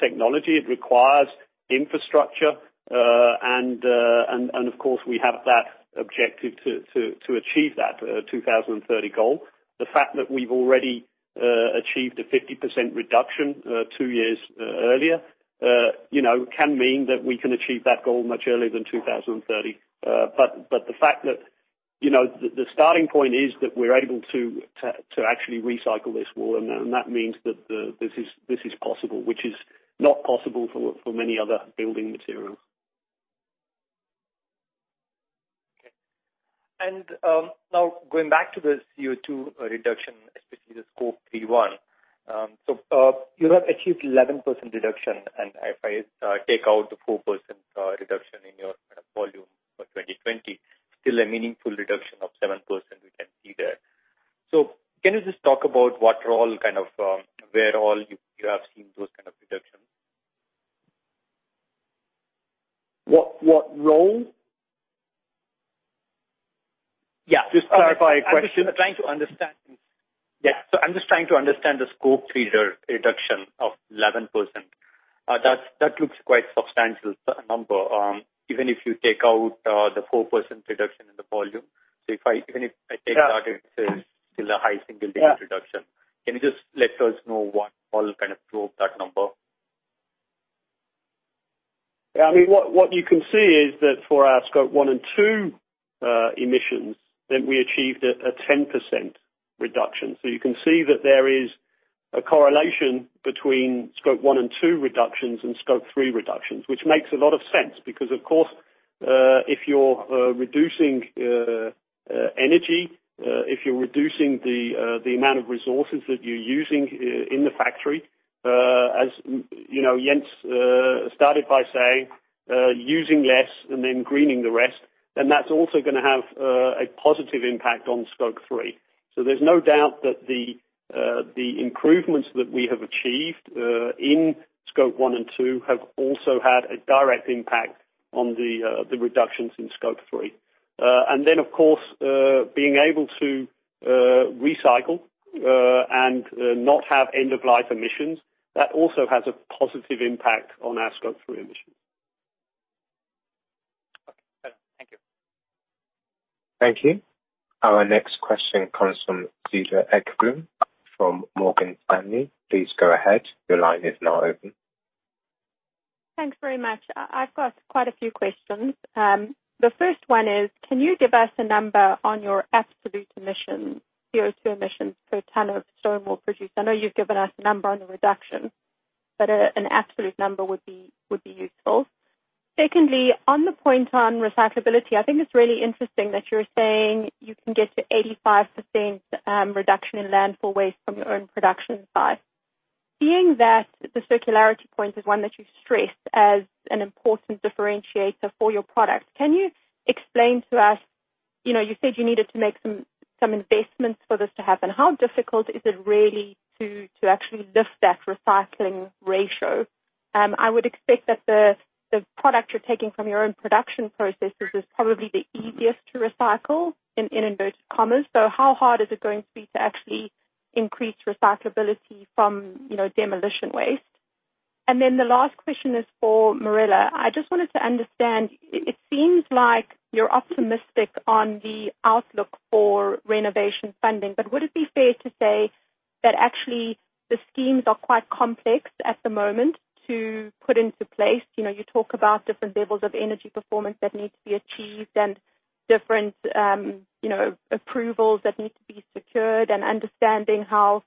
technology. It requires infrastructure. And, of course, we have that objective to achieve that 2030 goal. The fact that we've already achieved a 50% reduction two years earlier can mean that we can achieve that goal much earlier than 2030. But the fact that the starting point is that we're able to actually recycle this wool, and that means that this is possible, which is not possible for many other building materials. Okay. Now, going back to the CO2 reduction, especially the Scope 3, 1, so you have achieved 11% reduction. If I take out the 4% reduction in your volume for 2020, still a meaningful reduction of 7% we can see there. Can you just talk about what role kind of where all you have seen those kind of reductions? What role? Yeah. Just clarifying question? I'm just trying to understand. Yeah. So, I'm just trying to understand the Scope 3 reduction of 11%. That looks quite substantial, the number, even if you take out the 4% reduction in the volume. So, even if I take that, it's still a high single-digit reduction. Can you just let us know what role kind of drove that number? Yeah. I mean, what you can see is that for our Scope 1 and 2 emissions, then we achieved a 10% reduction. So, you can see that there is a correlation between Scope 1 and 2 reductions and Scope 3 reductions, which makes a lot of sense, because, of course, if you're reducing energy, if you're reducing the amount of resources that you're using in the factory, as Jens started by saying, using less and then greening the rest, then that's also going to have a positive impact on Scope 3. So, there's no doubt that the improvements that we have achieved in Scope 1 and 2 have also had a direct impact on the reductions in Scope 3. And then, of course, being able to recycle and not have end-of-life emissions, that also has a positive impact on our Scope 3 emissions. Okay. Better. Thank you. Thank you. Our next question comes from Cedar Ekblom from Morgan Stanley. Please go ahead. Your line is now open. Thanks very much. I've got quite a few questions. The first one is, can you give us a number on your absolute emissions, CO2 emissions per ton of stone wool produced? I know you've given us a number on the reduction, but an absolute number would be useful. Secondly, on the point on recyclability, I think it's really interesting that you're saying you can get to 85% reduction in landfill waste from your own production side. Being that the circularity point is one that you stressed as an important differentiator for your product, can you explain to us you said you needed to make some investments for this to happen. How difficult is it really to actually lift that recycling ratio? I would expect that the product you're taking from your own production processes is probably the easiest to recycle, in inverted commas. So, how hard is it going to be to actually increase recyclability from demolition waste? And then the last question is for Mirella. I just wanted to understand. It seems like you're optimistic on the outlook for renovation funding, but would it be fair to say that actually the schemes are quite complex at the moment to put into place? You talk about different levels of energy performance that need to be achieved and different approvals that need to be secured and understanding how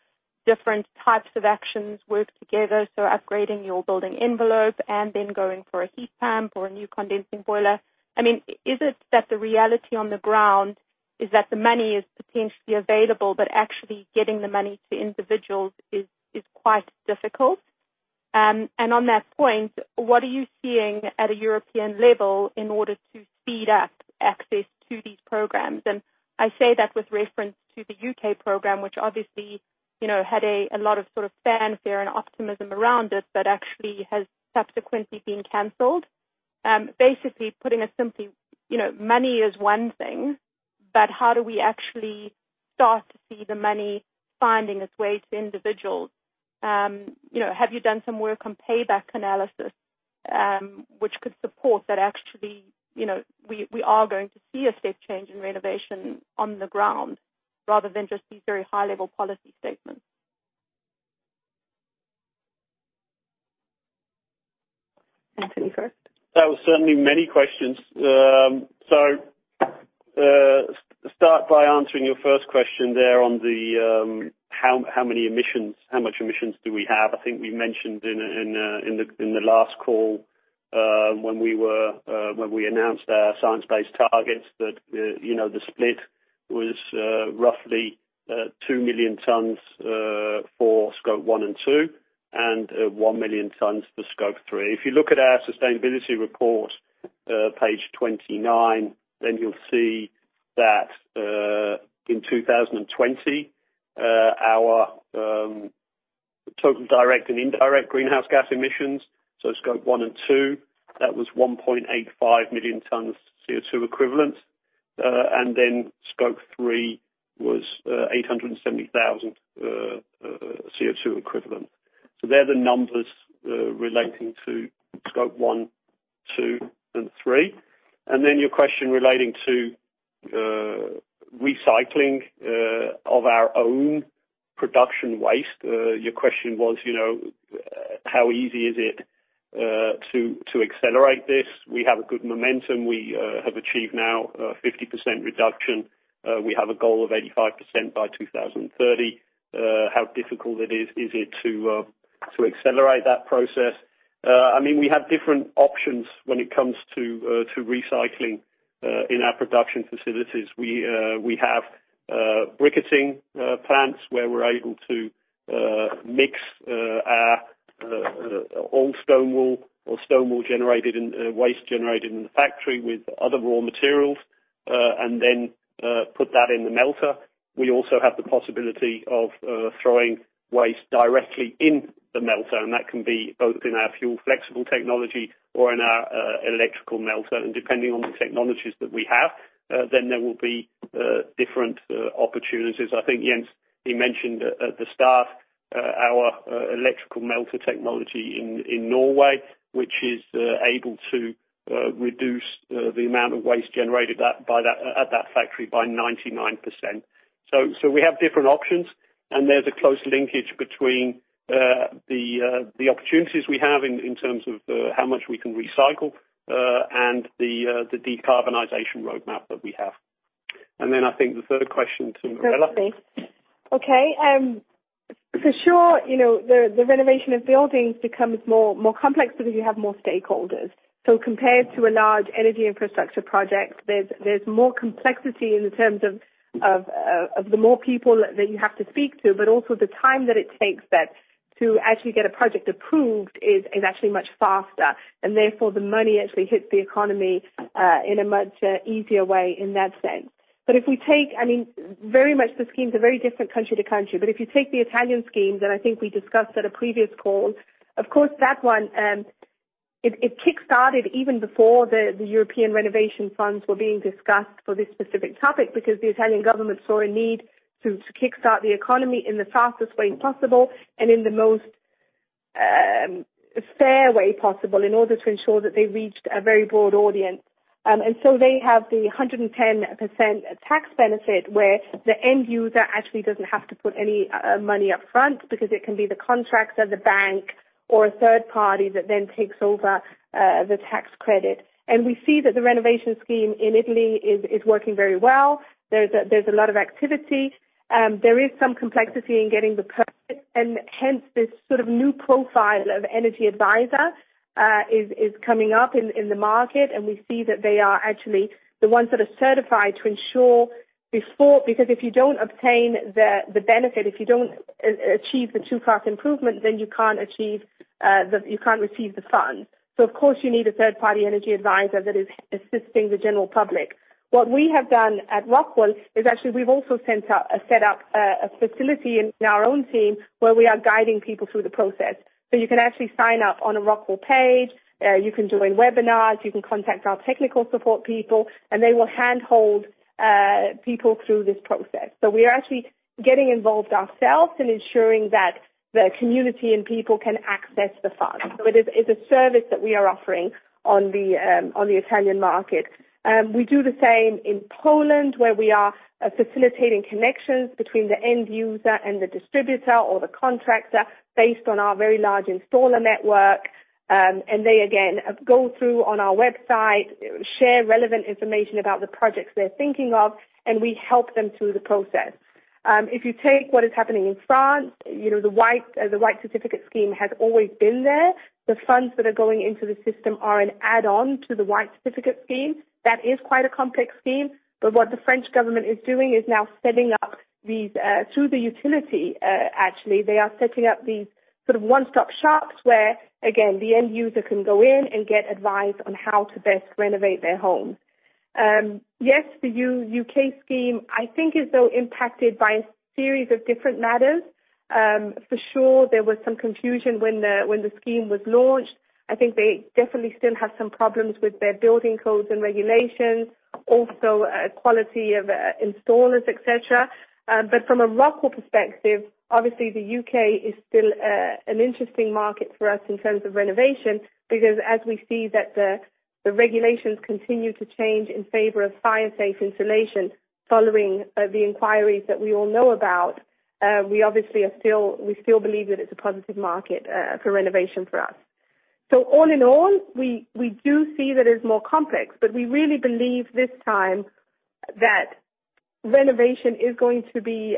different types of actions work together. So, upgrading your building envelope and then going for a heat pump or a new condensing boiler. I mean, is it that the reality on the ground is that the money is potentially available, but actually getting the money to individuals is quite difficult? And on that point, what are you seeing at a European level in order to speed up access to these programs? And I say that with reference to the U.K. program, which obviously had a lot of sort of fanfare and optimism around it, but actually has subsequently been cancelled. Basically, putting it simply, money is one thing, but how do we actually start to see the money finding its way to individuals? Have you done some work on payback analysis, which could support that actually we are going to see a step change in renovation on the ground rather than just these very high-level policy statements? Anthony first. That was certainly many questions. Start by answering your first question there on the how many emissions, how much emissions do we have? I think we mentioned in the last call when we announced our science-based targets that the split was roughly 2 million tons for Scope 1 and 2 and 1 million ton for Scope 3. If you look at our sustainability report, Page 29, then you'll see that in 2020, our total direct and indirect greenhouse gas emissions, so Scope 1 and 2, that was 1.85 million tons CO2 equivalent. And then Scope 3 was 870,000 CO2 equivalent. They're the numbers relating to Scope 1, 2, and 3. And then your question relating to recycling of our own production waste, your question was, how easy is it to accelerate this? We have a good momentum. We have achieved now a 50% reduction. We have a goal of 85% by 2030. How difficult is it to accelerate that process? I mean, we have different options when it comes to recycling in our production facilities. We have briquetting plants where we're able to mix our old stone wool or stone wool generated and waste generated in the factory with other raw materials and then put that in the melter. We also have the possibility of throwing waste directly in the melter, and that can be both in our fuel-flexible technology or in our electrical melter, and depending on the technologies that we have, then there will be different opportunities. I think Jens, he mentioned at the start our electrical melter technology in Norway, which is able to reduce the amount of waste generated at that factory by 99%. So, we have different options, and there's a close linkage between the opportunities we have in terms of how much we can recycle and the decarbonization roadmap that we have. And then I think the third question to Mirella. Okay. For sure, the renovation of buildings becomes more complex because you have more stakeholders. So, compared to a large energy infrastructure project, there's more complexity in terms of the more people that you have to speak to, but also the time that it takes to actually get a project approved is actually much faster. And therefore, the money actually hits the economy in a much easier way in that sense. But if we take, I mean, very much the schemes are very different country to country. But if you take the Italian scheme, then I think we discussed at a previous call. Of course, that one, it kickstarted even before the European renovation funds were being discussed for this specific topic because the Italian government saw a need to kickstart the economy in the fastest way possible and in the most fair way possible in order to ensure that they reached a very broad audience, and so they have the 110% tax benefit where the end user actually doesn't have to put any money upfront because it can be the contractor, the bank, or a third party that then takes over the tax credit, and we see that the renovation scheme in Italy is working very well. There's a lot of activity. There is some complexity in getting the permit. Hence, this sort of new profile of energy advisor is coming up in the market, and we see that they are actually the ones that are certified to ensure before because if you don't obtain the benefit, if you don't achieve the two-class improvement, then you can't receive the funds. So, of course, you need a third-party energy advisor that is assisting the general public. What we have done at ROCKWOOL is actually we've also set up a facility in our own team where we are guiding people through the process. So, you can actually sign up on a ROCKWOOL page. You can join webinars. You can contact our technical support people, and they will handhold people through this process. So, we are actually getting involved ourselves in ensuring that the community and people can access the funds. It is a service that we are offering on the Italian market. We do the same in Poland where we are facilitating connections between the end user and the distributor or the contractor based on our very large installer network. And they, again, go through on our website, share relevant information about the projects they're thinking of, and we help them through the process. If you take what is happening in France, the White Certificate Scheme has always been there. The funds that are going into the system are an add-on to the White Certificate Scheme. That is quite a complex scheme. But what the French government is doing is now setting up these through the utility, actually. They are setting up these sort of one-stop shops where, again, the end user can go in and get advice on how to best renovate their homes. Yes, the U.K. scheme, I think, is though impacted by a series of different matters. For sure, there was some confusion when the scheme was launched. I think they definitely still have some problems with their building codes and regulations, also quality of installers, etc. But from a ROCKWOOL perspective, obviously, the U.K. is still an interesting market for us in terms of renovation because as we see that the regulations continue to change in favor of fire-safe insulation following the inquiries that we all know about, we obviously still believe that it's a positive market for renovation for us. So, all in all, we do see that it's more complex, but we really believe this time that renovation is going to be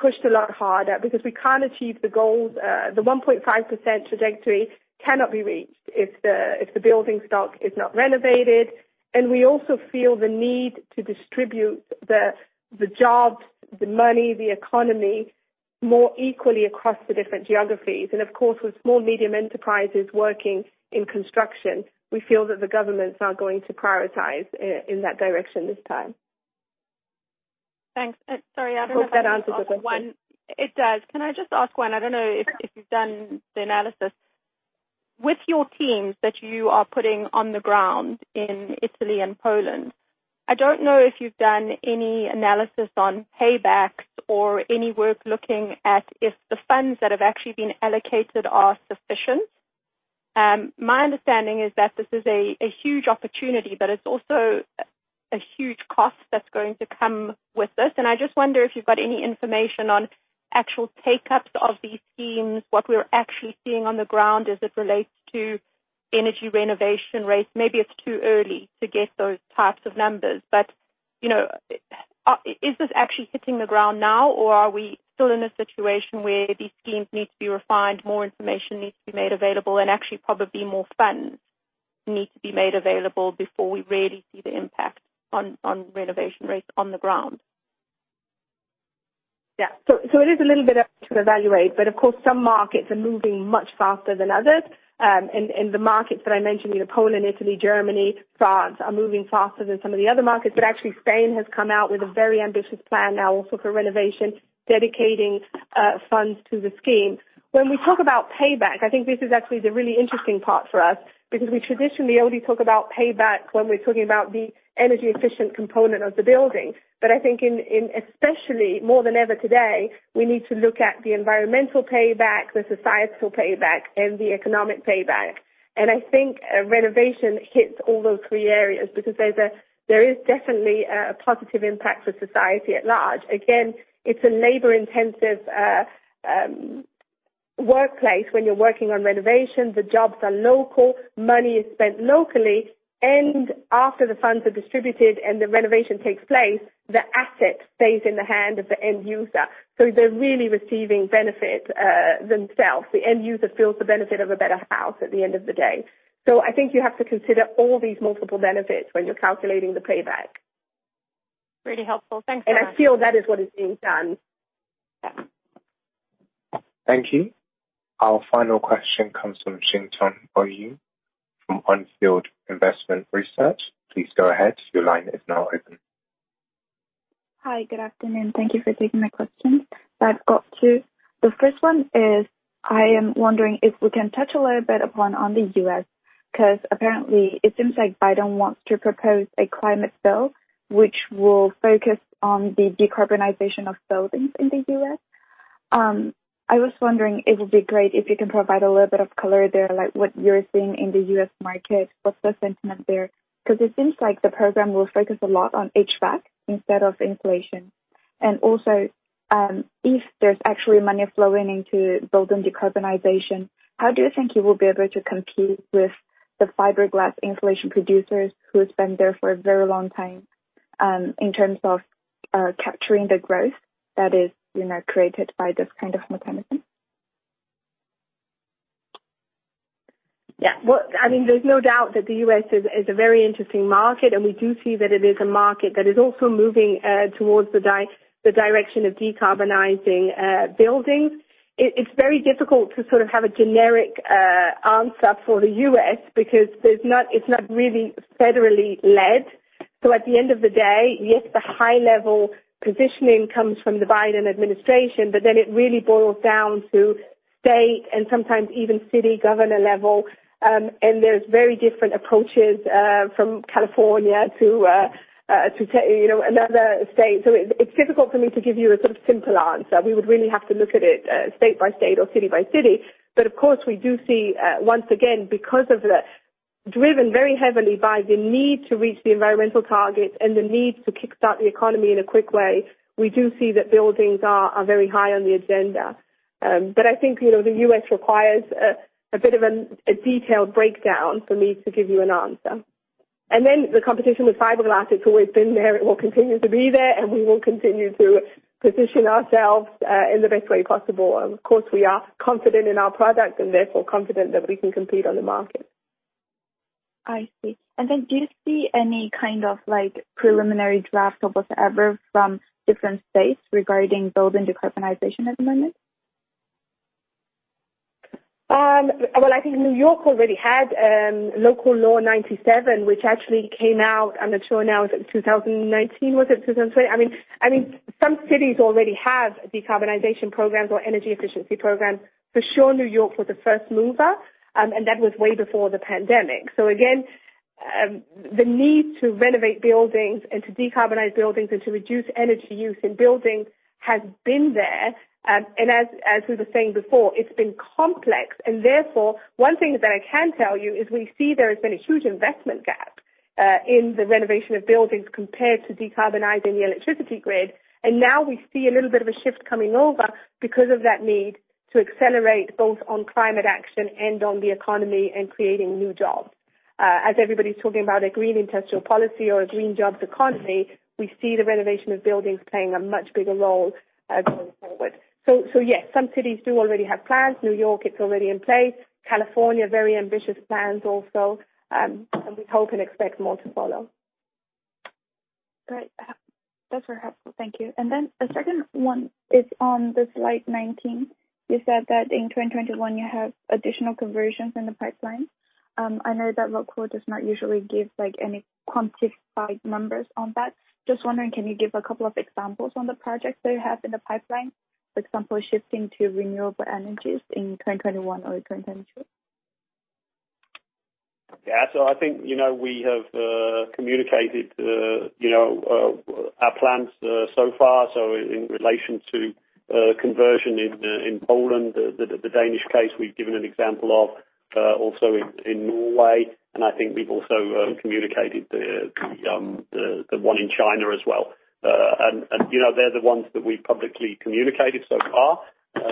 pushed a lot harder because we can't achieve the goals. The 1.5% trajectory cannot be reached if the building stock is not renovated. And we also feel the need to distribute the jobs, the money, the economy more equally across the different geographies. And of course, with small medium enterprises working in construction, we feel that the governments are going to prioritize in that direction this time. Thanks. Sorry, I don't know. Does that answer the question? It does. Can I just ask one? I don't know if you've done the analysis. With your teams that you are putting on the ground in Italy and Poland, I don't know if you've done any analysis on paybacks or any work looking at if the funds that have actually been allocated are sufficient. My understanding is that this is a huge opportunity, but it's also a huge cost that's going to come with this. I just wonder if you've got any information on actual take-ups of these schemes, what we're actually seeing on the ground as it relates to energy renovation rates. Maybe it's too early to get those types of numbers, but is this actually hitting the ground now, or are we still in a situation where these schemes need to be refined, more information needs to be made available, and actually probably more funds need to be made available before we really see the impact on renovation rates on the ground? Yeah. So, it is a little bit to evaluate, but of course, some markets are moving much faster than others. And the markets that I mentioned, Poland, Italy, Germany, France are moving faster than some of the other markets. But actually, Spain has come out with a very ambitious plan now also for renovation, dedicating funds to the scheme. When we talk about payback, I think this is actually the really interesting part for us because we traditionally only talk about payback when we're talking about the energy-efficient component of the building, but I think in especially more than ever today, we need to look at the environmental payback, the societal payback, and the economic payback, and I think renovation hits all those three areas because there is definitely a positive impact for society at large. Again, it's a labor-intensive workplace when you're working on renovation. The jobs are local. Money is spent locally, and after the funds are distributed and the renovation takes place, the asset stays in the hand of the end user, so they're really receiving benefit themselves. The end user feels the benefit of a better house at the end of the day. So, I think you have to consider all these multiple benefits when you're calculating the payback. Really helpful. Thanks a lot. And I feel that is what is being done. Thank you. Our final question comes from Yintong Ouyang from On Field Investment Research. Please go ahead. Your line is now open. Hi. Good afternoon. Thank you for taking my question. I've got two. The first one is I am wondering if we can touch a little bit upon on the U.S. because apparently it seems like Biden wants to propose a climate bill which will focus on the decarbonization of buildings in the U.S. I was wondering it would be great if you can provide a little bit of color there, like what you're seeing in the U.S. market, what's the sentiment there? Because it seems like the program will focus a lot on HVAC instead of insulation. And also, if there's actually money flowing into building decarbonization, how do you think you will be able to compete with the fiberglass insulation producers who have been there for a very long time in terms of capturing the growth that is created by this kind of mechanism? Yeah, well, I mean, there's no doubt that the U.S. is a very interesting market, and we do see that it is a market that is also moving towards the direction of decarbonizing buildings. It's very difficult to sort of have a generic answer for the U.S. because it's not really federally led, so at the end of the day, yes, the high-level positioning comes from the Biden administration, but then it really boils down to state and sometimes even city governor level, and there's very different approaches from California to another state, so it's difficult for me to give you a sort of simple answer. We would really have to look at it state-by-state or city-by-city. But of course, we do see, once again, because it's driven very heavily by the need to reach the environmental targets and the need to kickstart the economy in a quick way, we do see that buildings are very high on the agenda. But I think the U.S. requires a bit of a detailed breakdown for me to give you an answer. And then the competition with fiberglass, it's always been there. It will continue to be there, and we will continue to position ourselves in the best way possible. Of course, we are confident in our product and therefore confident that we can compete on the market. I see. And then, do you see any kind of preliminary draft or whatever from different states regarding building decarbonization at the moment? I think New York already had Local Law 97, which actually came out. I'm not sure now: is it 2019? Was it 2020? I mean, some cities already have decarbonization programs or energy efficiency programs. For sure, New York was the first mover, and that was way before the pandemic. Again, the need to renovate buildings and to decarbonize buildings and to reduce energy use in buildings has been there. As we were saying before, it's been complex. Therefore, one thing that I can tell you is we see there has been a huge investment gap in the renovation of buildings compared to decarbonizing the electricity grid. Now we see a little bit of a shift coming over because of that need to accelerate both on climate action and on the economy and creating new jobs. As everybody's talking about a green industrial policy or a green jobs economy, we see the renovation of buildings playing a much bigger role going forward. So, yes, some cities do already have plans. New York, it's already in place. California, very ambitious plans also. And we hope and expect more to follow. Great. That's very helpful. Thank you. And then the second one is on the Slide 19. You said that in 2021, you have additional conversions in the pipeline. I know that ROCKWOOL does not usually give any quantified numbers on that. Just wondering, can you give a couple of examples on the projects that you have in the pipeline, for example, shifting to renewable energies in 2021 or 2022? Yeah. So, I think we have communicated our plans so far. So, in relation to conversion in Poland, the Danish case we've given an example of, also in Norway. And I think we've also communicated the one in China as well. And they're the ones that we've publicly communicated so far.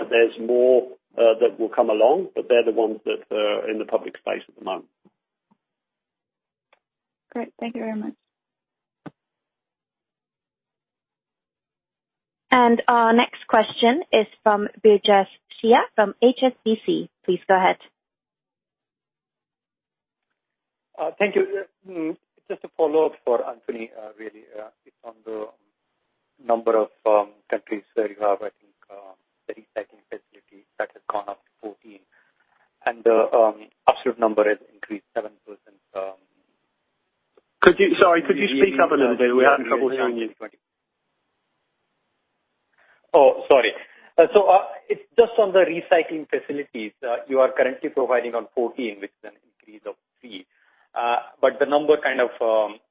There's more that will come along, but they're the ones that are in the public space at the moment. Great. Thank you very much. And our next question is from Brijesh Siya from HSBC. Please go ahead. Thank you. Just a follow-up for Anthony, really. It's on the number of countries where you have, I think, the recycling facility that has gone up to 14, and the absolute number has increased 7%. Sorry, could you speak up a little bit? We're having trouble hearing you. Oh, sorry. So, it's just on the recycling facilities. You are currently providing on 14, which is an increase of three. But the number kind of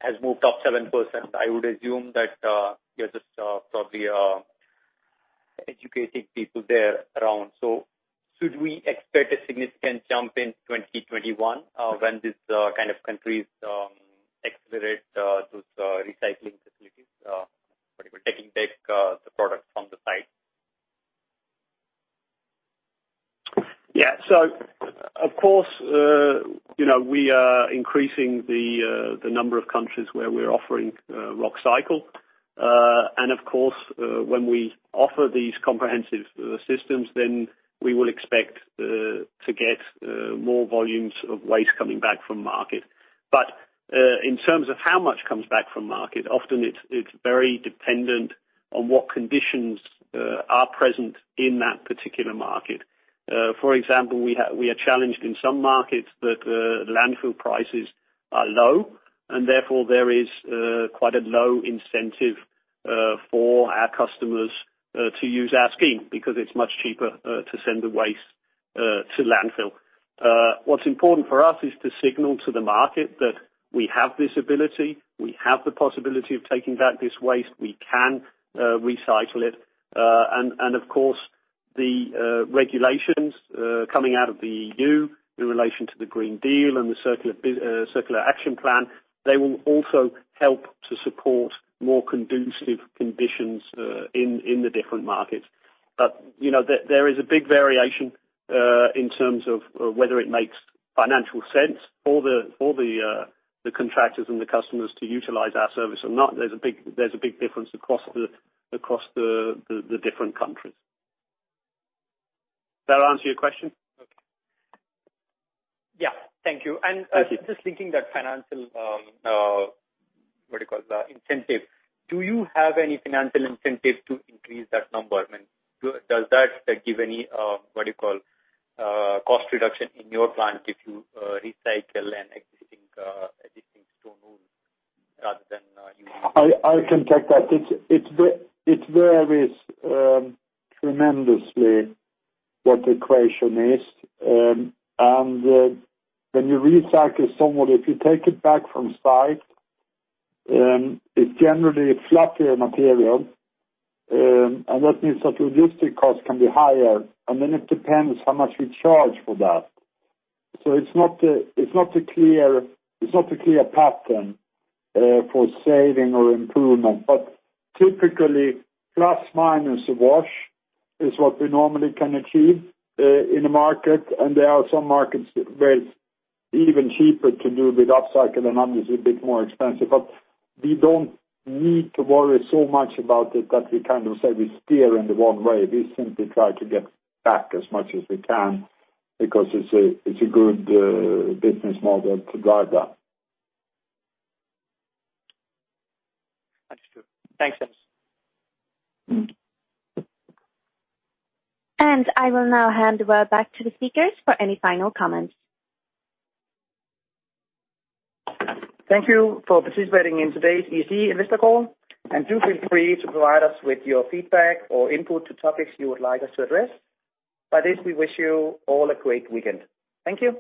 has moved up 7%. I would assume that you're just probably educating people there around. So, should we expect a significant jump in 2021 when these kind of countries accelerate those recycling facilities, taking back the product from the site? Yeah. So, of course, we are increasing the number of countries where we're offering Rockcycle. And of course, when we offer these comprehensive systems, then we will expect to get more volumes of waste coming back from market. But in terms of how much comes back from market, often it's very dependent on what conditions are present in that particular market. For example, we are challenged in some markets that landfill prices are low, and therefore there is quite a low incentive for our customers to use our scheme because it's much cheaper to send the waste to landfill. What's important for us is to signal to the market that we have this ability. We have the possibility of taking back this waste. We can recycle it. And of course, the regulations coming out of the EU in relation to the Green Deal and the Circular Action Plan, they will also help to support more conducive conditions in the different markets. But there is a big variation in terms of whether it makes financial sense for the contractors and the customers to utilize our service or not. There's a big difference across the different countries. Does that answer your question? Yeah. Thank you. And just thinking that financial, what do you call it, incentive, do you have any financial incentive to increase that number? I mean, does that give any, what do you call it, cost reduction in your plan if you recycle an existing stone rather than using? I can take that. It varies tremendously what the equation is. And when you recycle stone, if you take it back from site, it's generally a fluffier material. And that means that logistic costs can be higher. And then it depends how much we charge for that. So, it's not a clear pattern for saving or improvement. But typically, plus minus a wash is what we normally can achieve in a market. And there are some markets where it's even cheaper to do with upcycle and others a bit more expensive. But we don't need to worry so much about it that we kind of say we steer in the wrong way. We simply try to get back as much as we can because it's a good business model to drive that. Understood. Thanks, Jens. I will now hand the word back to the speakers for any final comments. Thank you for participating in today's EC Investor Call, and do feel free to provide us with your feedback or input to topics you would like us to address. By this, we wish you all a great weekend. Thank you.